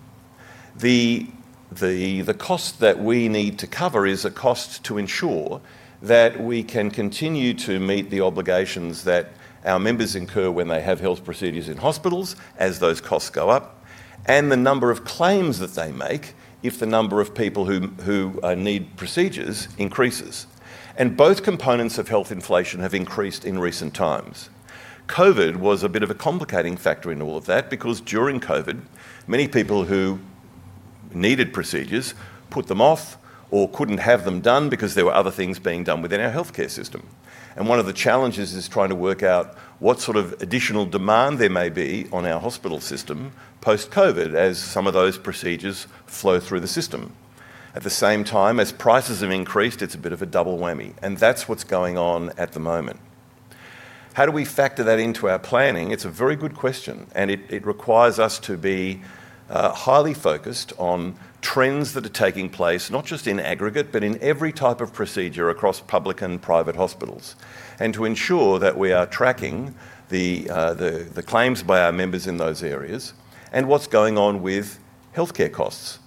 Speaker 1: the cost that we need to cover is a cost to ensure that we can continue to meet the obligations that our members incur when they have health procedures in hospitals as those costs go up, and the number of claims that they make if the number of people who need procedures increases. Both components of health inflation have increased in recent times. COVID was a bit of a complicating factor in all of that because during COVID, many people who needed procedures put them off or could not have them done because there were other things being done within our healthcare system. One of the challenges is trying to work out what sort of additional demand there may be on our hospital system post-COVID as some of those procedures flow through the system. At the same time as prices have increased, it is a bit of a double whammy, and that is what is going on at the moment. How do we factor that into our planning? It is a very good question, and it requires us to be. Highly focused on trends that are taking place, not just in aggregate, but in every type of procedure across public and private hospitals, and to ensure that we are tracking the claims by our members in those areas and what's going on with healthcare costs,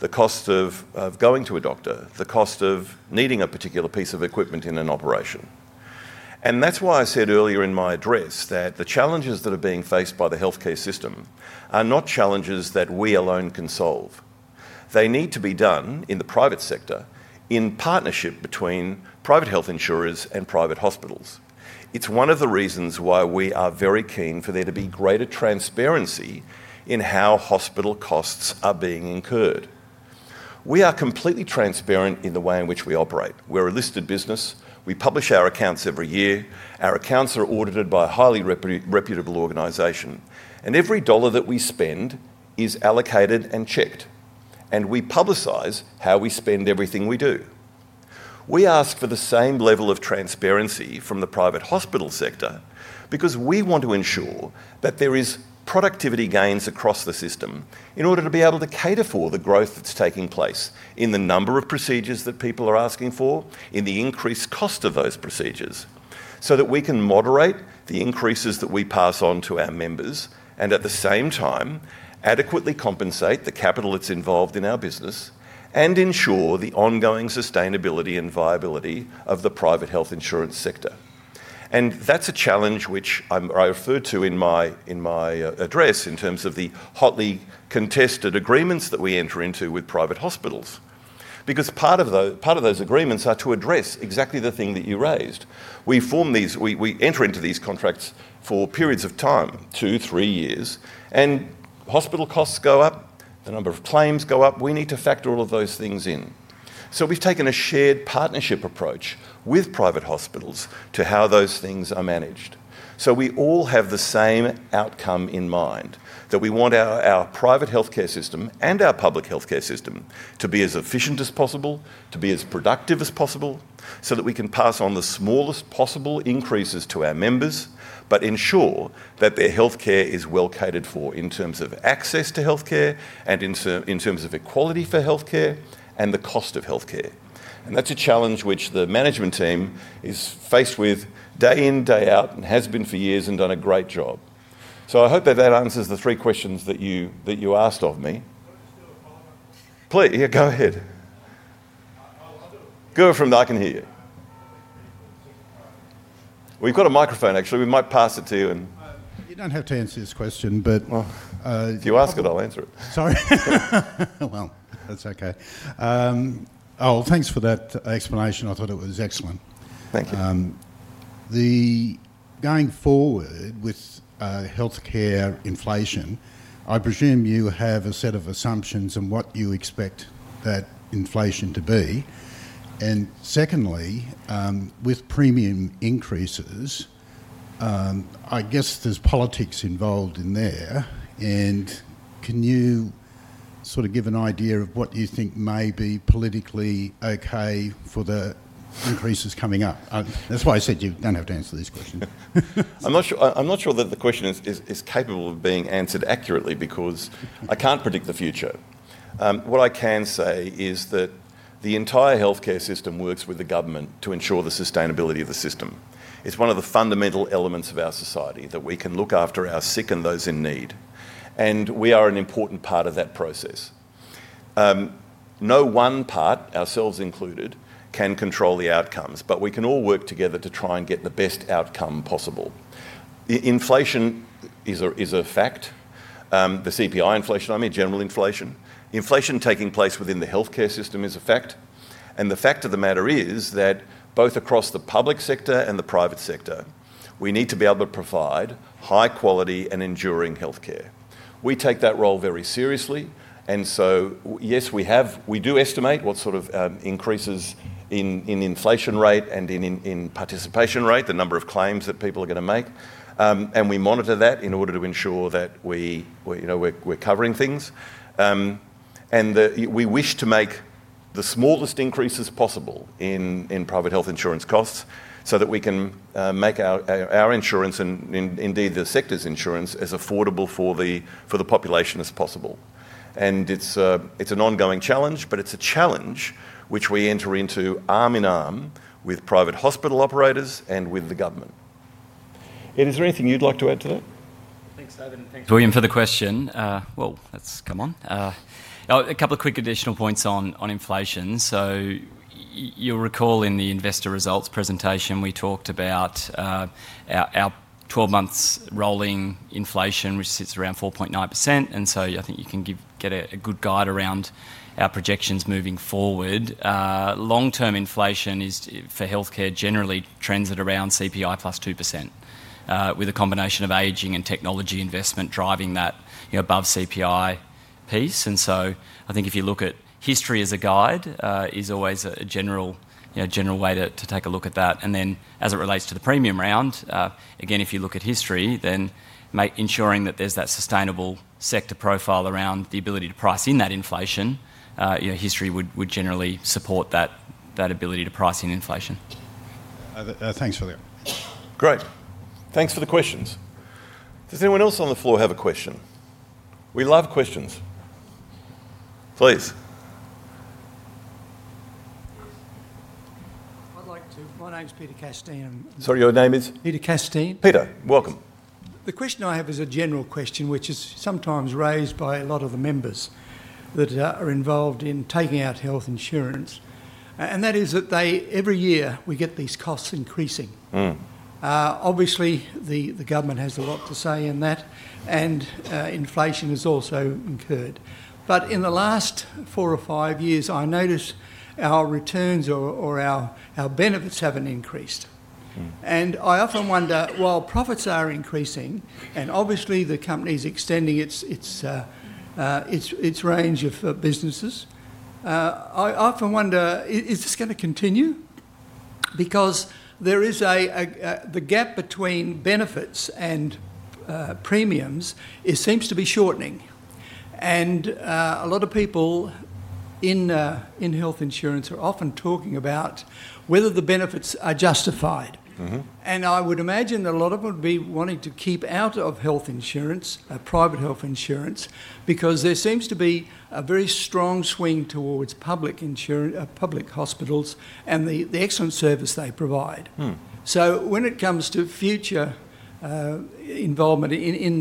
Speaker 1: the cost of going to a doctor, the cost of needing a particular piece of equipment in an operation. That is why I said earlier in my address that the challenges that are being faced by the healthcare system are not challenges that we alone can solve. They need to be done in the private sector in partnership between private health insurers and private hospitals. It is one of the reasons why we are very keen for there to be greater transparency in how hospital costs are being incurred. We are completely transparent in the way in which we operate. We are a listed business. We publish our accounts every year. Our accounts are audited by a highly reputable organization, and every dollar that we spend is allocated and checked, and we publicize how we spend everything we do. We ask for the same level of transparency from the private hospital sector because we want to ensure that there are productivity gains across the system in order to be able to cater for the growth that is taking place in the number of procedures that people are asking for, in the increased cost of those procedures, so that we can moderate the increases that we pass on to our members and, at the same time, adequately compensate the capital that is involved in our business and ensure the ongoing sustainability and viability of the private health insurance sector. That is a challenge which I referred to in my. Address in terms of the hotly contested agreements that we enter into with private hospitals because part of those agreements are to address exactly the thing that you raised. We enter into these contracts for periods of time, two, three years, and hospital costs go up, the number of claims go up. We need to factor all of those things in. We have taken a shared partnership approach with private hospitals to how those things are managed. We all have the same outcome in mind, that we want our private healthcare system and our public healthcare system to be as efficient as possible, to be as productive as possible, so that we can pass on the smallest possible increases to our members, but ensure that their healthcare is well catered for in terms of access to healthcare and in terms of equality for healthcare and the cost of healthcare. That's a challenge which the management team is faced with day in, day out, and has been for years and done a great job. I hope that answers the three questions that you asked of me. Please, go ahead. I'll do it. Go from there. I can hear you. We've got a microphone, actually. We might pass it to you.
Speaker 6: You don't have to answer this question, but
Speaker 1: you ask it, I'll answer it.
Speaker 6: Sorry. That's okay. Oh, thanks for that explanation. I thought it was excellent. Thank you. Going forward with healthcare inflation, I presume you have a set of assumptions on what you expect that inflation to be. Secondly, with premium increases, I guess there's politics involved in there. Can you sort of give an idea of what you think may be politically okay for the increases coming up? That's why I said you don't have to answer these questions.
Speaker 1: I'm not sure that the question is capable of being answered accurately because I can't predict the future. What I can say is that the entire healthcare system works with the government to ensure the sustainability of the system. It's one of the fundamental elements of our society that we can look after our sick and those in need, and we are an important part of that process. No one part, ourselves included, can control the outcomes, but we can all work together to try and get the best outcome possible. Inflation is a fact. The CPI inflation, I mean general inflation. Inflation taking place within the healthcare system is a fact. The fact of the matter is that both across the public sector and the private sector, we need to be able to provide high-quality and enduring healthcare. We take that role very seriously. Yes, we do estimate what sort of increases in inflation rate and in participation rate, the number of claims that people are going to make. We monitor that in order to ensure that we are covering things. We wish to make the smallest increases possible in private health insurance costs so that we can make our insurance and indeed the sector's insurance as affordable for the population as possible. It is an ongoing challenge, but it is a challenge which we enter into arm in arm with private hospital operators and with the government. Is there anything you'd like to add to that?
Speaker 3: Thanks, David. Thanks, William, for the question. A couple of quick additional points on inflation. You'll recall in the investor results presentation, we talked about our 12-month rolling inflation, which sits around 4.9%. I think you can get a good guide around our projections moving forward. Long-term inflation is, for healthcare generally, trends at around CPI +2%, with a combination of aging and technology investment driving that above CPI piece. I think if you look at history as a guide, it's always a general way to take a look at that. As it relates to the premium round, again, if you look at history, then ensuring that there's that sustainable sector profile around the ability to price in that inflation, history would generally support that ability to price in inflation.
Speaker 6: Thanks for that.
Speaker 1: Great. Thanks for the questions. Does anyone else on the floor have a question? We love questions. Please.
Speaker 7: I'd like to. My name's Peter Casteyn.
Speaker 1: Sorry, your name is?
Speaker 7: Peter Casteyn.
Speaker 1: Peter, welcome. The question I have is a general question which is sometimes raised by a lot of the members that are involved in taking out health insurance. That is that every year we get these costs increasing. Obviously, the government has a lot to say in that, and inflation has also incurred. In the last four or five years, I notice our returns or our benefits haven't increased. I often wonder, while profits are increasing and obviously the company is extending its range of businesses, I often wonder, is this going to continue? There is the gap between benefits and premiums, it seems to be shortening. A lot of people. In health insurance, we are often talking about whether the benefits are justified. I would imagine that a lot of them would be wanting to keep out of private health insurance because there seems to be a very strong swing towards public hospitals and the excellent service they provide. When it comes to future involvement in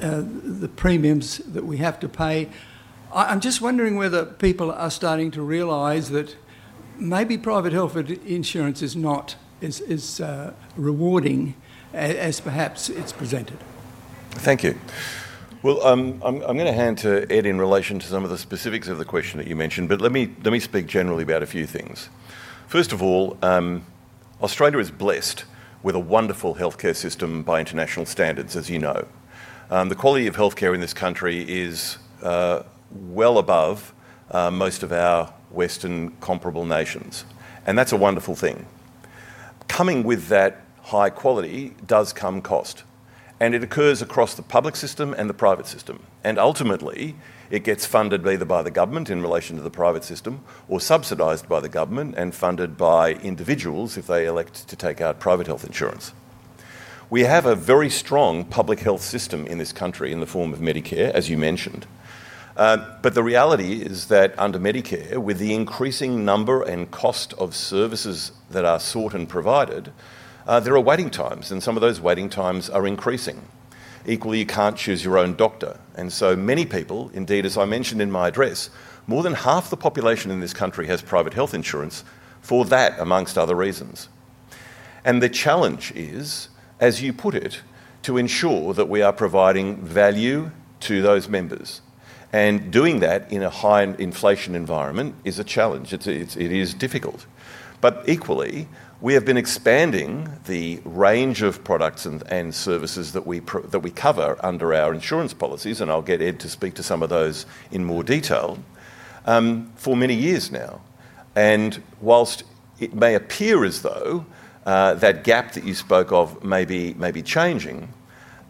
Speaker 1: the premiums that we have to pay, I'm just wondering whether people are starting to realize that maybe private health insurance is not as rewarding as perhaps it's presented. Thank you. I'm going to hand to Ed in relation to some of the specifics of the question that you mentioned, but let me speak generally about a few things. First of all, Australia is blessed with a wonderful healthcare system by international standards, as you know. The quality of healthcare in this country is well above most of our Western comparable nations. That's a wonderful thing. Coming with that high quality does come cost. It occurs across the public system and the private system. Ultimately, it gets funded either by the government in relation to the private system or subsidized by the government and funded by individuals if they elect to take out private health insurance. We have a very strong public health system in this country in the form of Medicare, as you mentioned. The reality is that under Medicare, with the increasing number and cost of services that are sought and provided, there are waiting times, and some of those waiting times are increasing. Equally, you can't choose your own doctor. Many people, indeed, as I mentioned in my address, more than half the population in this country has private health insurance for that, amongst other reasons. The challenge is, as you put it, to ensure that we are providing value to those members. Doing that in a high-inflation environment is a challenge. It is difficult. Equally, we have been expanding the range of products and services that we cover under our insurance policies, and I'll get Ed to speak to some of those in more detail. For many years now. Whilst it may appear as though that gap that you spoke of may be changing,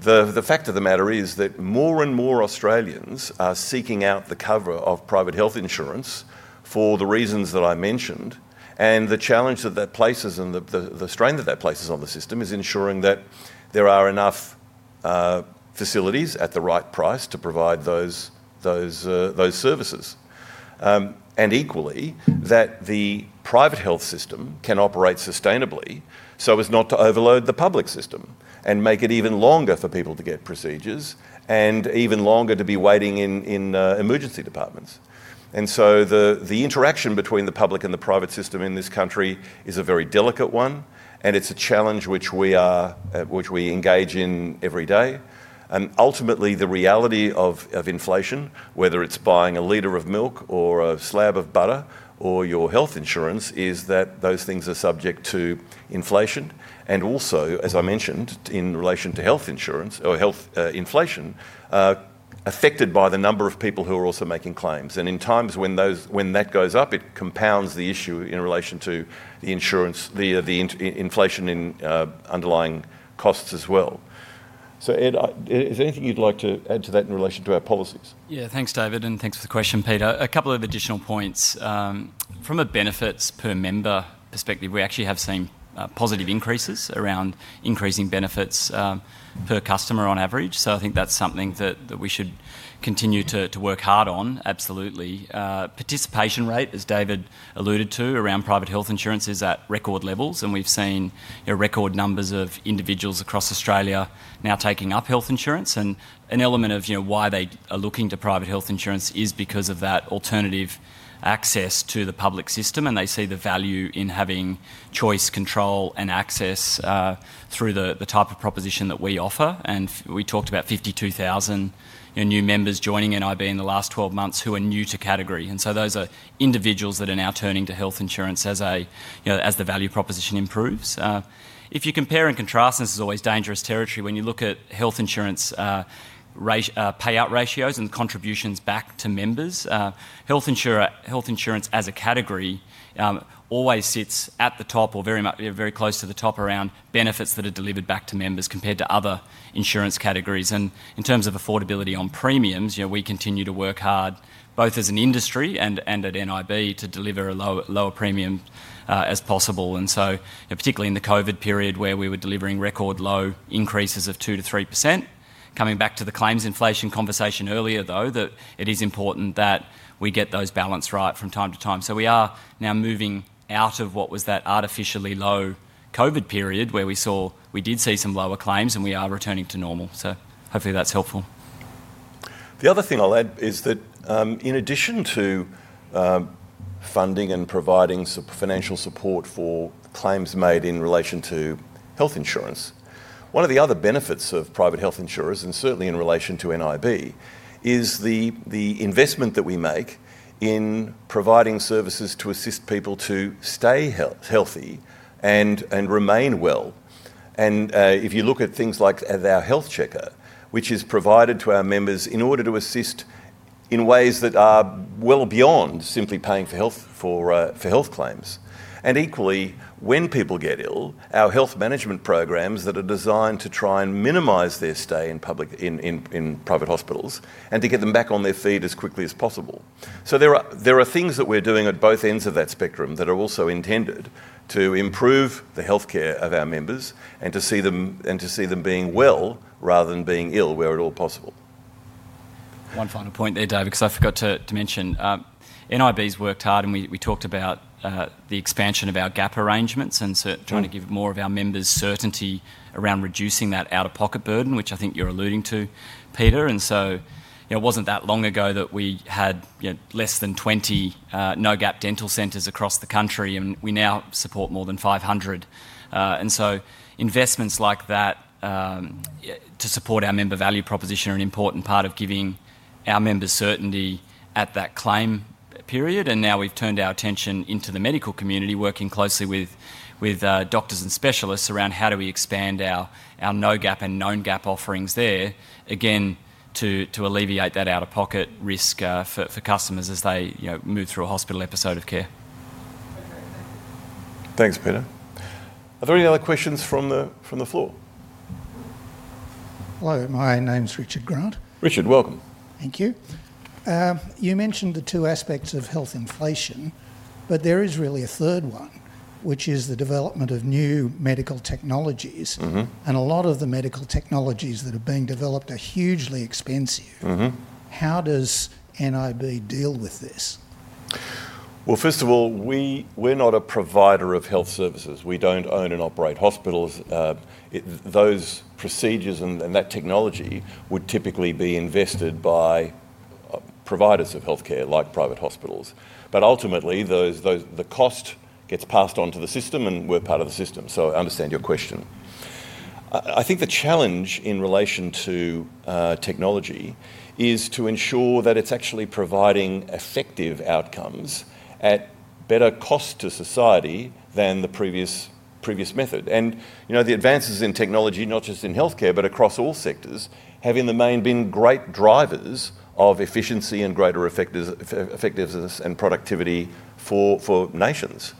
Speaker 1: the fact of the matter is that more and more Australians are seeking out the cover of private health insurance for the reasons that I mentioned. The challenge that that places and the strain that that places on the system is ensuring that there are enough facilities at the right price to provide those services. Equally, that the private health system can operate sustainably so as not to overload the public system and make it even longer for people to get procedures and even longer to be waiting in emergency departments. The interaction between the public and the private system in this country is a very delicate one, and it is a challenge which we engage in every day. Ultimately, the reality of inflation, whether it is buying a liter of milk or a slab of butter or your health insurance, is that those things are subject to inflation. Also, as I mentioned, in relation to health insurance or health inflation, it is affected by the number of people who are also making claims. In times when that goes up, it compounds the issue in relation to the inflation in underlying costs as well. Ed, is there anything you'd like to add to that in relation to our policies?
Speaker 3: Yeah, thanks, David, and thanks for the question, Peter. A couple of additional points. From a benefits-per-member perspective, we actually have seen positive increases around increasing benefits per customer on average. I think that's something that we should continue to work hard on, absolutely. Participation rate, as David alluded to, around private health insurance is at record levels, and we've seen record numbers of individuals across Australia now taking up health insurance. An element of why they are looking to private health insurance is because of that alternative access to the public system, and they see the value in having choice, control, and access through the type of proposition that we offer. We talked about 52,000 new members joining NIB in the last 12 months who are new to category. Those are individuals that are now turning to health insurance as the value proposition improves. If you compare and contrast, and this is always dangerous territory, when you look at health insurance. Payout ratios and contributions back to members, health insurance as a category always sits at the top or very close to the top around benefits that are delivered back to members compared to other insurance categories. In terms of affordability on premiums, we continue to work hard, both as an industry and at NIB, to deliver a lower premium as possible. Particularly in the COVID period where we were delivering record low increases of 2% - 3%. Coming back to the claims inflation conversation earlier, though, it is important that we get those balanced right from time to time. We are now moving out of what was that artificially low COVID period where we did see some lower claims, and we are returning to normal. Hopefully that's helpful.
Speaker 1: The other thing I'll add is that in addition to funding and providing financial support for claims made in relation to health insurance, one of the other benefits of private health insurers, and certainly in relation to NIB, is the investment that we make in providing services to assist people to stay healthy and remain well. If you look at things like our health checker, which is provided to our members in order to assist in ways that are well beyond simply paying for health claims. Equally, when people get ill, our health management programs are designed to try and minimize their stay in. Private hospitals and to get them back on their feet as quickly as possible. There are things that we're doing at both ends of that spectrum that are also intended to improve the healthcare of our members and to see them being well rather than being ill where at all possible.
Speaker 3: One final point there, David, because I forgot to mention. NIB's worked hard, and we talked about the expansion of our gap arrangements and trying to give more of our members certainty around reducing that out-of-pocket burden, which I think you're alluding to, Peter. It was not that long ago that we had less than 20 no-gap dental centers across the country, and we now support more than 500. Investments like that to support our member value proposition are an important part of giving our members certainty at that claim period. Now we've turned our attention into the medical community, working closely with doctors and specialists around how do we expand our no-gap and known-gap offerings there, again, to alleviate that out-of-pocket risk for customers as they move through a hospital episode of care.
Speaker 1: Thanks, Peter. Are there any other questions from the floor?
Speaker 8: Hello. My name's Richard Grant.
Speaker 1: Richard, welcome.
Speaker 8: Thank you. You mentioned the two aspects of health inflation, but there is really a third one, which is the development of new medical technologies. And a lot of the medical technologies that are being developed are hugely expensive. How does NIB deal with this?
Speaker 1: First of all, we're not a provider of health services. We don't own and operate hospitals. Those procedures and that technology would typically be invested by providers of healthcare like private hospitals. Ultimately, the cost gets passed on to the system, and we're part of the system. I understand your question. I think the challenge in relation to technology is to ensure that it's actually providing effective outcomes at better cost to society than the previous method. The advances in technology, not just in healthcare, but across all sectors, have in the main been great drivers of efficiency and greater effectiveness and productivity for nations.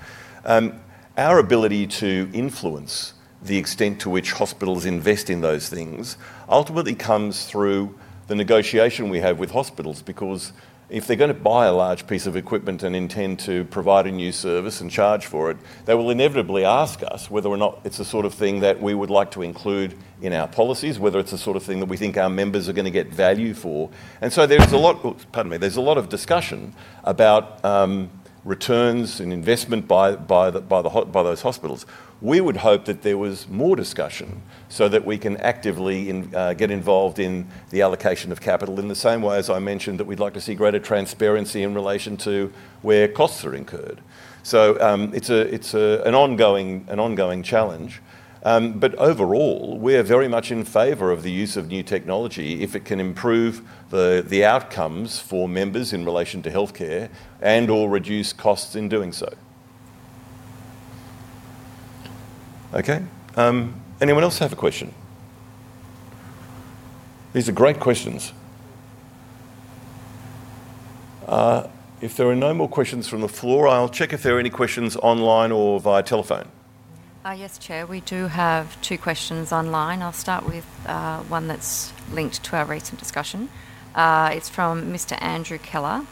Speaker 1: Our ability to influence the extent to which hospitals invest in those things ultimately comes through the negotiation we have with hospitals. Because if they're going to buy a large piece of equipment and intend to provide a new service and charge for it, they will inevitably ask us whether or not it's the sort of thing that we would like to include in our policies, whether it's the sort of thing that we think our members are going to get value for. There is a lot—pardon me—there is a lot of discussion about returns and investment by those hospitals. We would hope that there was more discussion so that we can actively get involved in the allocation of capital in the same way as I mentioned that we'd like to see greater transparency in relation to where costs are incurred. It is an ongoing challenge. But overall, we're very much in favor of the use of new technology if it can improve the outcomes for members in relation to healthcare and/or reduce costs in doing so. Okay. Anyone else have a question? These are great questions. If there are no more questions from the floor, I'll check if there are any questions online or via telephone.
Speaker 4: Yes, Chair. We do have two questions online. I'll start with one that's linked to our recent discussion. It's from Mr. Andrew Keller.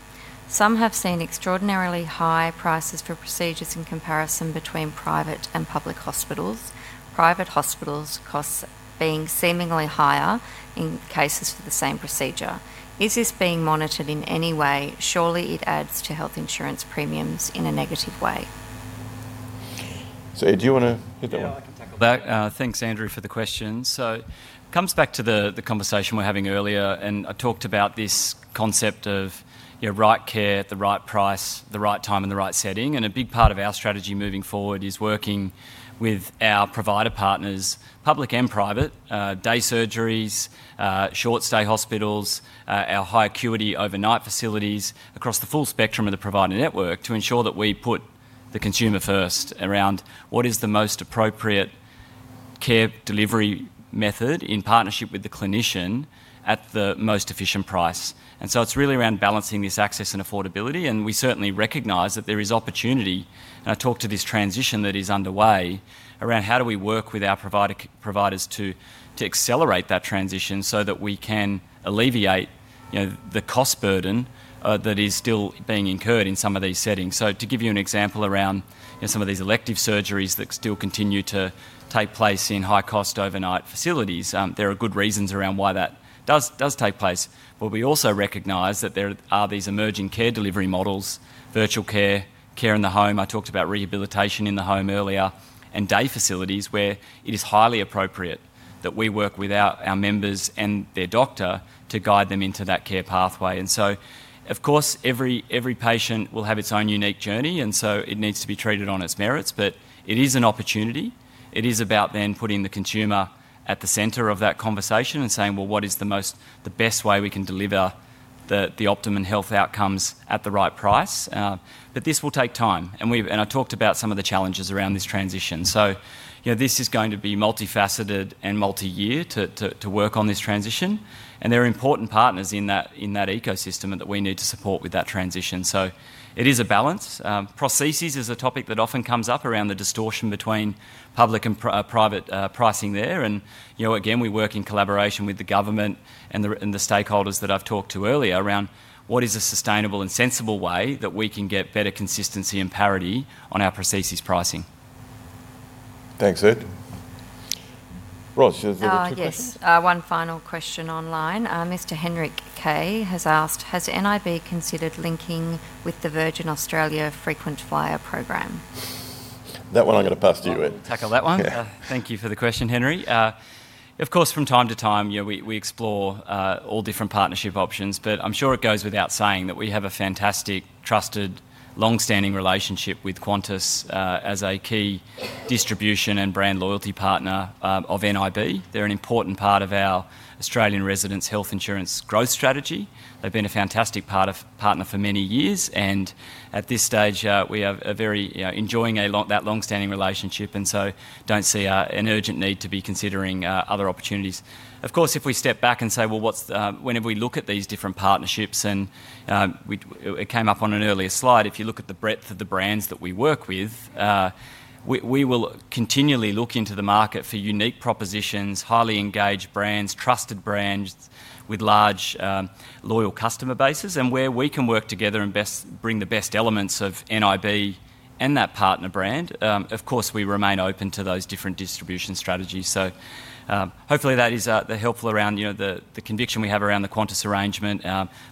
Speaker 4: Some have seen extraordinarily high prices for procedures in comparison between private and public hospitals, private hospitals' costs being seemingly higher in cases for the same procedure. Is this being monitored in any way? Surely it adds to health insurance premiums in a negative way.
Speaker 1: So Ed, do you want to hit that one?
Speaker 3: Yeah, I can tackle that. Thanks, Andrew, for the question. It comes back to the conversation we were having earlier, and I talked about this concept of right care at the right price, the right time, and the right setting. A big part of our strategy moving forward is working with our provider partners, public and private, day surgeries, short-stay hospitals, our high-acuity overnight facilities across the full spectrum of the provider network to ensure that we put the consumer first around what is the most appropriate care delivery method in partnership with the clinician at the most efficient price. It is really around balancing this access and affordability. We certainly recognize that there is opportunity. I talked to this transition that is underway around how we work with our providers to accelerate that transition so that we can alleviate the cost burden that is still being incurred in some of these settings. To give you an example around some of these elective surgeries that still continue to take place in high-cost overnight facilities, there are good reasons around why that does take place. We also recognize that there are these emerging care delivery models: virtual care, care in the home. I talked about rehabilitation in the home earlier and day facilities where it is highly appropriate that we work with our members and their doctor to guide them into that care pathway. Of course, every patient will have its own unique journey, and so it needs to be treated on its merits. It is an opportunity. It is about then putting the consumer at the center of that conversation and saying, "What is the best way we can deliver the optimum health outcomes at the right price?" This will take time. I talked about some of the challenges around this transition. This is going to be multifaceted and multi-year to work on this transition. There are important partners in that ecosystem that we need to support with that transition. It is a balance. Prostheses is a topic that often comes up around the distortion between public and private pricing there. Again, we work in collaboration with the government and the stakeholders that I talked to earlier around what is a sustainable and sensible way that we can get better consistency and parity on our prosthesis pricing.
Speaker 1: Thanks, Ed. Ross, you have a quick question.
Speaker 4: Yes, one final question online. Mr. Henrik Kay has asked, "Has NIB considered linking with the Virgin Australia frequent flyer program?"
Speaker 1: That one I'm going to pass to you, Ed.
Speaker 3: We'll tackle that one. Thank you for the question, Henrik. Of course, from time to time, we explore all different partnership options. I'm sure it goes without saying that we have a fantastic, trusted, long-standing relationship with Qantas as a key distribution and brand loyalty partner of NIB. They're an important part of our Australian residents' health insurance growth strategy. They've been a fantastic partner for many years. At this stage, we are very much enjoying that long-standing relationship, and I don't see an urgent need to be considering other opportunities. Of course, if we step back and say, "Well, whenever we look at these different partnerships," it came up on an earlier slide, if you look at the breadth of the brands that we work with. We will continually look into the market for unique propositions, highly engaged brands, trusted brands with large. Loyal customer bases, and where we can work together and bring the best elements of NIB and that partner brand. Of course, we remain open to those different distribution strategies. Hopefully that is helpful around the conviction we have around the Qantas arrangement,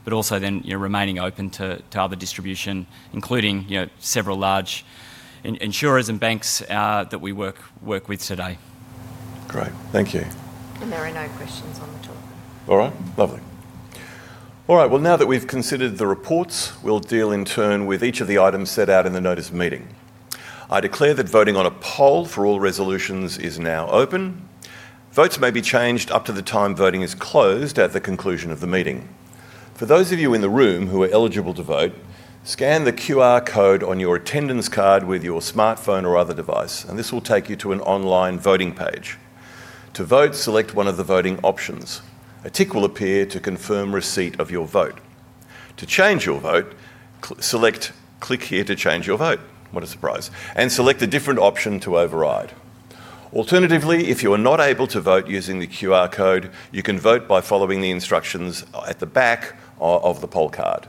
Speaker 3: but also then remaining open to other distribution, including several large insurers and banks that we work with today.
Speaker 1: Great. Thank you.
Speaker 4: There are no questions on the topic.
Speaker 1: All right. Lovely. Now that we've considered the reports, we'll deal in turn with each of the items set out in the notice meeting. I declare that voting on a poll for all resolutions is now open. Votes may be changed up to the time voting is closed at the conclusion of the meeting. For those of you in the room who are eligible to vote, scan the QR code on your attendance card with your smartphone or other device, and this will take you to an online voting page. To vote, select one of the voting options. A tick will appear to confirm receipt of your vote. To change your vote, click here to change your vote. What a surprise. Select a different option to override. Alternatively, if you are not able to vote using the QR code, you can vote by following the instructions at the back of the poll card.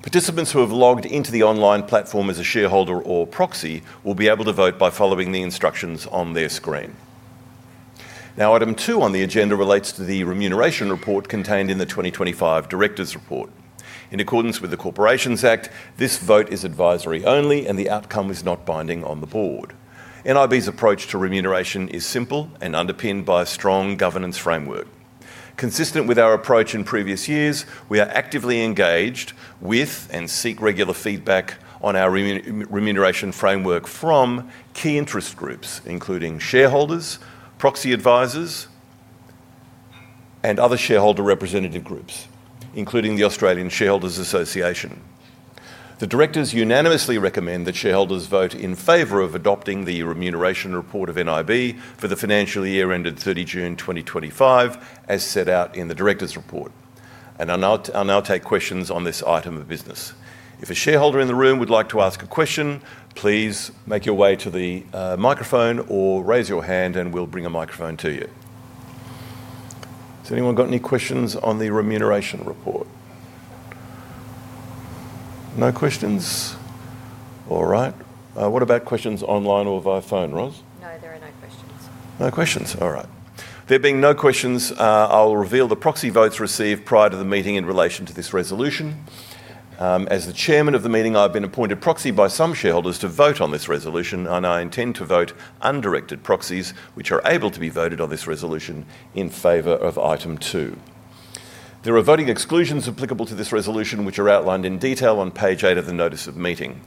Speaker 1: Participants who have logged into the online platform as a shareholder or proxy will be able to vote by following the instructions on their screen. Now, item two on the agenda relates to the remuneration report contained in the 2025 Directors Report. In accordance with the Corporations Act, this vote is advisory only, and the outcome is not binding on the board. NIB's approach to remuneration is simple and underpinned by a strong governance framework. Consistent with our approach in previous years, we are actively engaged with and seek regular feedback on our remuneration framework from key interest groups, including shareholders, proxy advisors, and other shareholder representative groups, including the Australian Shareholders Association. The directors unanimously recommend that shareholders vote in favor of adopting the remuneration report of NIB for the financial year ended 30 June 2025, as set out in the directors' report. I will now take questions on this item of business. If a shareholder in the room would like to ask a question, please make your way to the microphone or raise your hand, and we will bring a microphone to you. Has anyone got any questions on the remuneration report? No questions? All right. What about questions online or via phone, Ros?
Speaker 4: No, there are no questions.
Speaker 1: No questions. All right. There being no questions, I'll reveal the proxy votes received prior to the meeting in relation to this resolution. As the Chairman of the meeting, I've been appointed proxy by some shareholders to vote on this resolution, and I intend to vote undirected proxies which are able to be voted on this resolution in favor of item two. There are voting exclusions applicable to this resolution which are outlined in detail on page eight of the notice of meeting.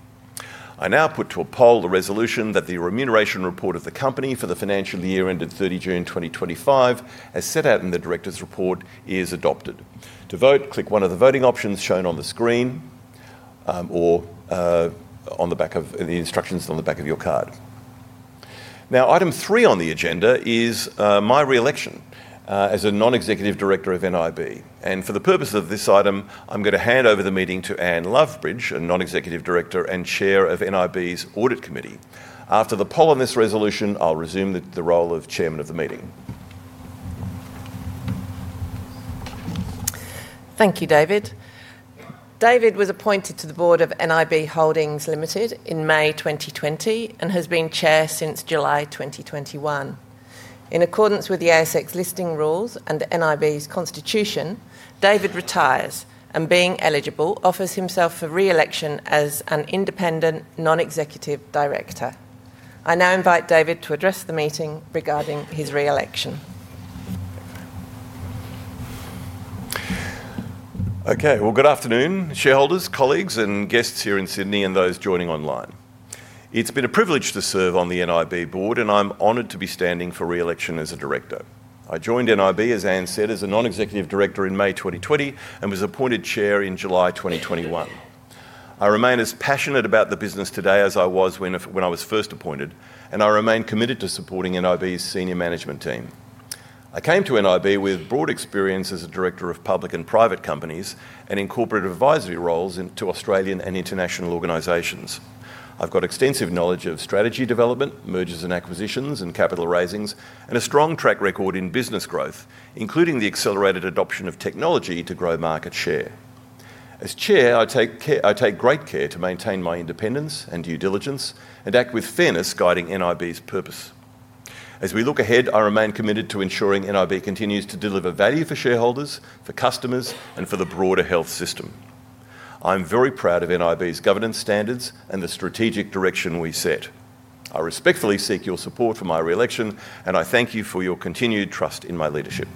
Speaker 1: I now put to a poll the resolution that the remuneration report of the company for the financial year ended 30 June 2025 as set out in the directors' report is adopted. To vote, click one of the voting options shown on the screen. Or on the back of the instructions on the back of your card. Now, item three on the agenda is my reelection as a non-executive director of NIB. For the purpose of this item, I'm going to hand over the meeting to Anne Loveridge, a non-executive director and chair of NIB's audit committee. After the poll on this resolution, I'll resume the role of chairman of the meeting.
Speaker 9: Thank you, David. David was appointed to the board of NIB Holdings Limited in May 2020 and has been chair since July 2021. In accordance with the ASX listing rules and NIB's constitution, David retires and, being eligible, offers himself for reelection as an independent non-executive director. I now invite David to address the meeting regarding his reelection. Okay.
Speaker 1: Good afternoon, shareholders, colleagues, and guests here in Sydney, and those joining online. It's been a privilege to serve on the NIB board, and I'm honored to be standing for reelection as a director. I joined NIB, as Anne said, as a non-executive director in May 2020 and was appointed chair in July 2021. I remain as passionate about the business today as I was when I was first appointed, and I remain committed to supporting NIB's senior management team. I came to NIB with broad experience as a director of public and private companies and incorporated advisory roles to Australian and international organizations. I've got extensive knowledge of strategy development, mergers and acquisitions, and capital raisings, and a strong track record in business growth, including the accelerated adoption of technology to grow market share. As Chair, I take great care to maintain my independence and due diligence and act with fairness, guiding NIB's purpose. As we look ahead, I remain committed to ensuring NIB continues to deliver value for shareholders, for customers, and for the broader health system. I'm very proud of NIB's governance standards and the strategic direction we set. I respectfully seek your support for my reelection, and I thank you for your continued trust in my leadership.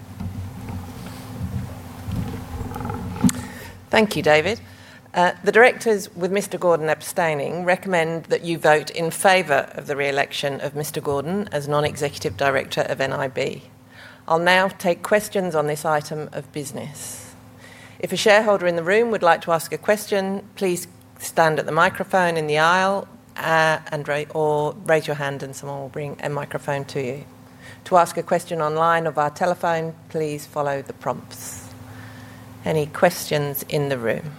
Speaker 9: Thank you, David. The directors, with Mr. Gordon abstaining, recommend that you vote in favor of the reelection of Mr. Gordon as Non-Executive Director of NIB. I'll now take questions on this item of business. If a shareholder in the room would like to ask a question, please stand at the microphone in the aisle, or raise your hand, and someone will bring a microphone to you. To ask a question online or via telephone, please follow the prompts. Any questions in the room?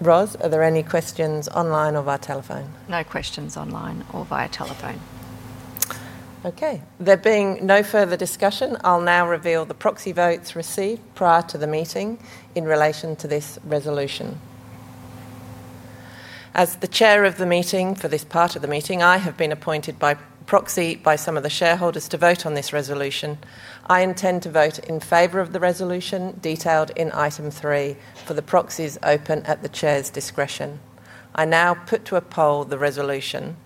Speaker 9: Ross, are there any questions online or via telephone?
Speaker 4: No questions online or via telephone.
Speaker 9: Okay. There being no further discussion, I'll now reveal the proxy votes received prior to the meeting in relation to this resolution. As the Chair of the meeting for this part of the meeting, I have been appointed by proxy by some of the shareholders to vote on this resolution. I intend to vote in favor of the resolution detailed in item three for the proxies open at the Chair's discretion. I now put to a poll the resolution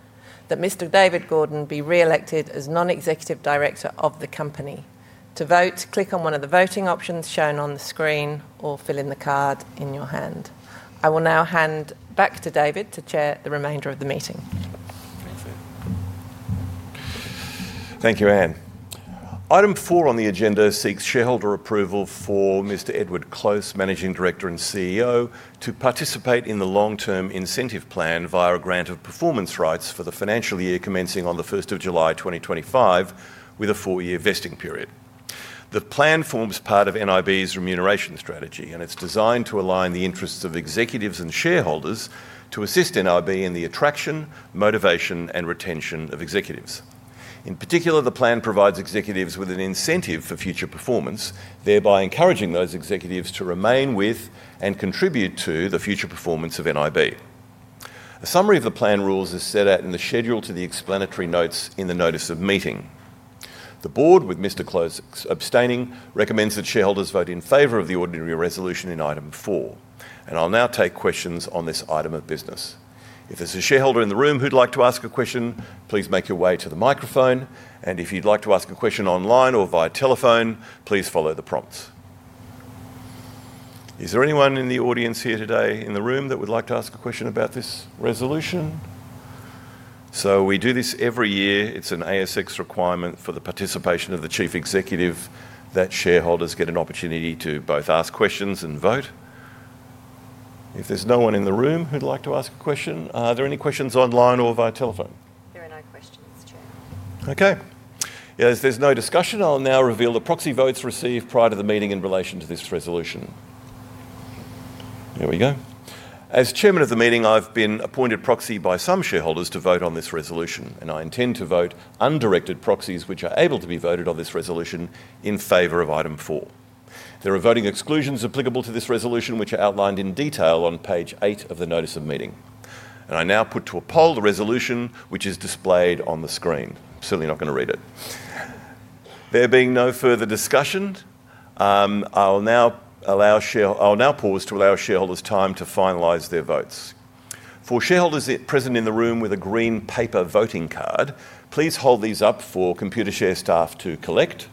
Speaker 9: that Mr. David Gordon be reelected as non-executive director of the company. To vote, click on one of the voting options shown on the screen or fill in the card in your hand. I will now hand back to David to chair the remainder of the meeting.
Speaker 1: Thank you, Anne. Item four on the agenda seeks shareholder approval for Mr. Edward Close, Managing Director and CEO, to participate in the long-term incentive plan via a grant of performance rights for the financial year commencing on the 1st of July 2025, with a four-year vesting period. The plan forms part of NIB's remuneration strategy, and it's designed to align the interests of executives and shareholders to assist NIB in the attraction, motivation, and retention of executives. In particular, the plan provides executives with an incentive for future performance, thereby encouraging those executives to remain with and contribute to the future performance of NIB. A summary of the plan rules is set out in the schedule to the explanatory notes in the notice of meeting. The board, with Mr. Close abstaining, recommends that shareholders vote in favor of the ordinary resolution in item four. I'll now take questions on this item of business. If there's a shareholder in the room who'd like to ask a question, please make your way to the microphone. If you'd like to ask a question online or via telephone, please follow the prompts. Is there anyone in the audience here today in the room that would like to ask a question about this resolution? We do this every year. It's an ASX requirement for the participation of the chief executive that shareholders get an opportunity to both ask questions and vote. If there's no one in the room who'd like to ask a question, are there any questions online or via telephone?
Speaker 4: There are no questions, Chair.
Speaker 1: Okay. Yeah. If there's no discussion, I'll now reveal the proxy votes received prior to the meeting in relation to this resolution. There we go. As Chairman of the meeting, I've been appointed proxy by some shareholders to vote on this resolution, and I intend to vote undirected proxies which are able to be voted on this resolution in favor of item four. There are voting exclusions applicable to this resolution which are outlined in detail on page eight of the notice of meeting. I now put to a poll the resolution which is displayed on the screen. Certainly not going to read it. There being no further discussion. I'll now pause to allow shareholders time to finalize their votes. For shareholders present in the room with a green paper voting card, please hold these up for Computershare staff to collect.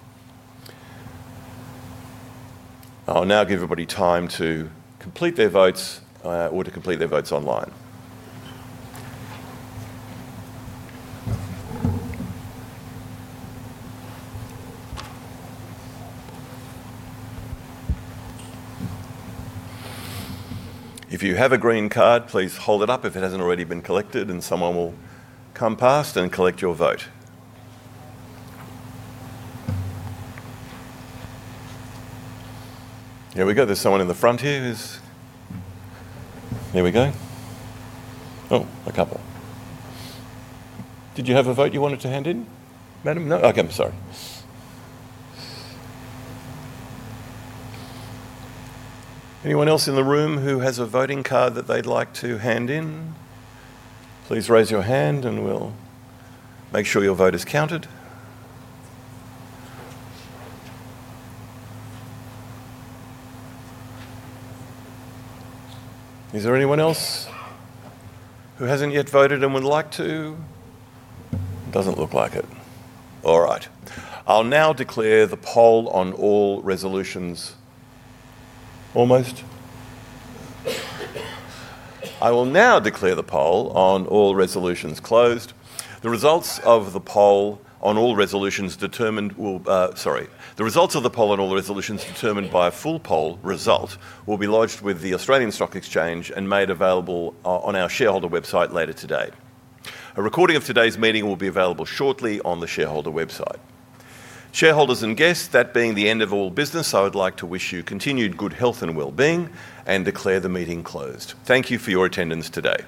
Speaker 1: I'll now give everybody time to complete their votes or to complete their votes online. If you have a green card, please hold it up if it hasn't already been collected, and someone will come past and collect your vote. Here we go. There's someone in the front here. Here we go. Oh, a couple. Did you have a vote you wanted to hand in, madam? No? Okay. I'm sorry. Anyone else in the room who has a voting card that they'd like to hand in? Please raise your hand, and we'll make sure your vote is counted. Is there anyone else who hasn't yet voted and would like to? Doesn't look like it. All right. I'll now declare the poll on all resolutions. Almost. I will now declare the poll on all resolutions closed. The results of the poll on all resolutions determined will—sorry. The results of the poll on all resolutions determined by a full poll result will be lodged with the Australian Stock Exchange and made available on our shareholder website later today. A recording of today's meeting will be available shortly on the shareholder website. Shareholders and guests, that being the end of all business, I would like to wish you continued good health and well-being and declare the meeting closed. Thank you for your attendance today.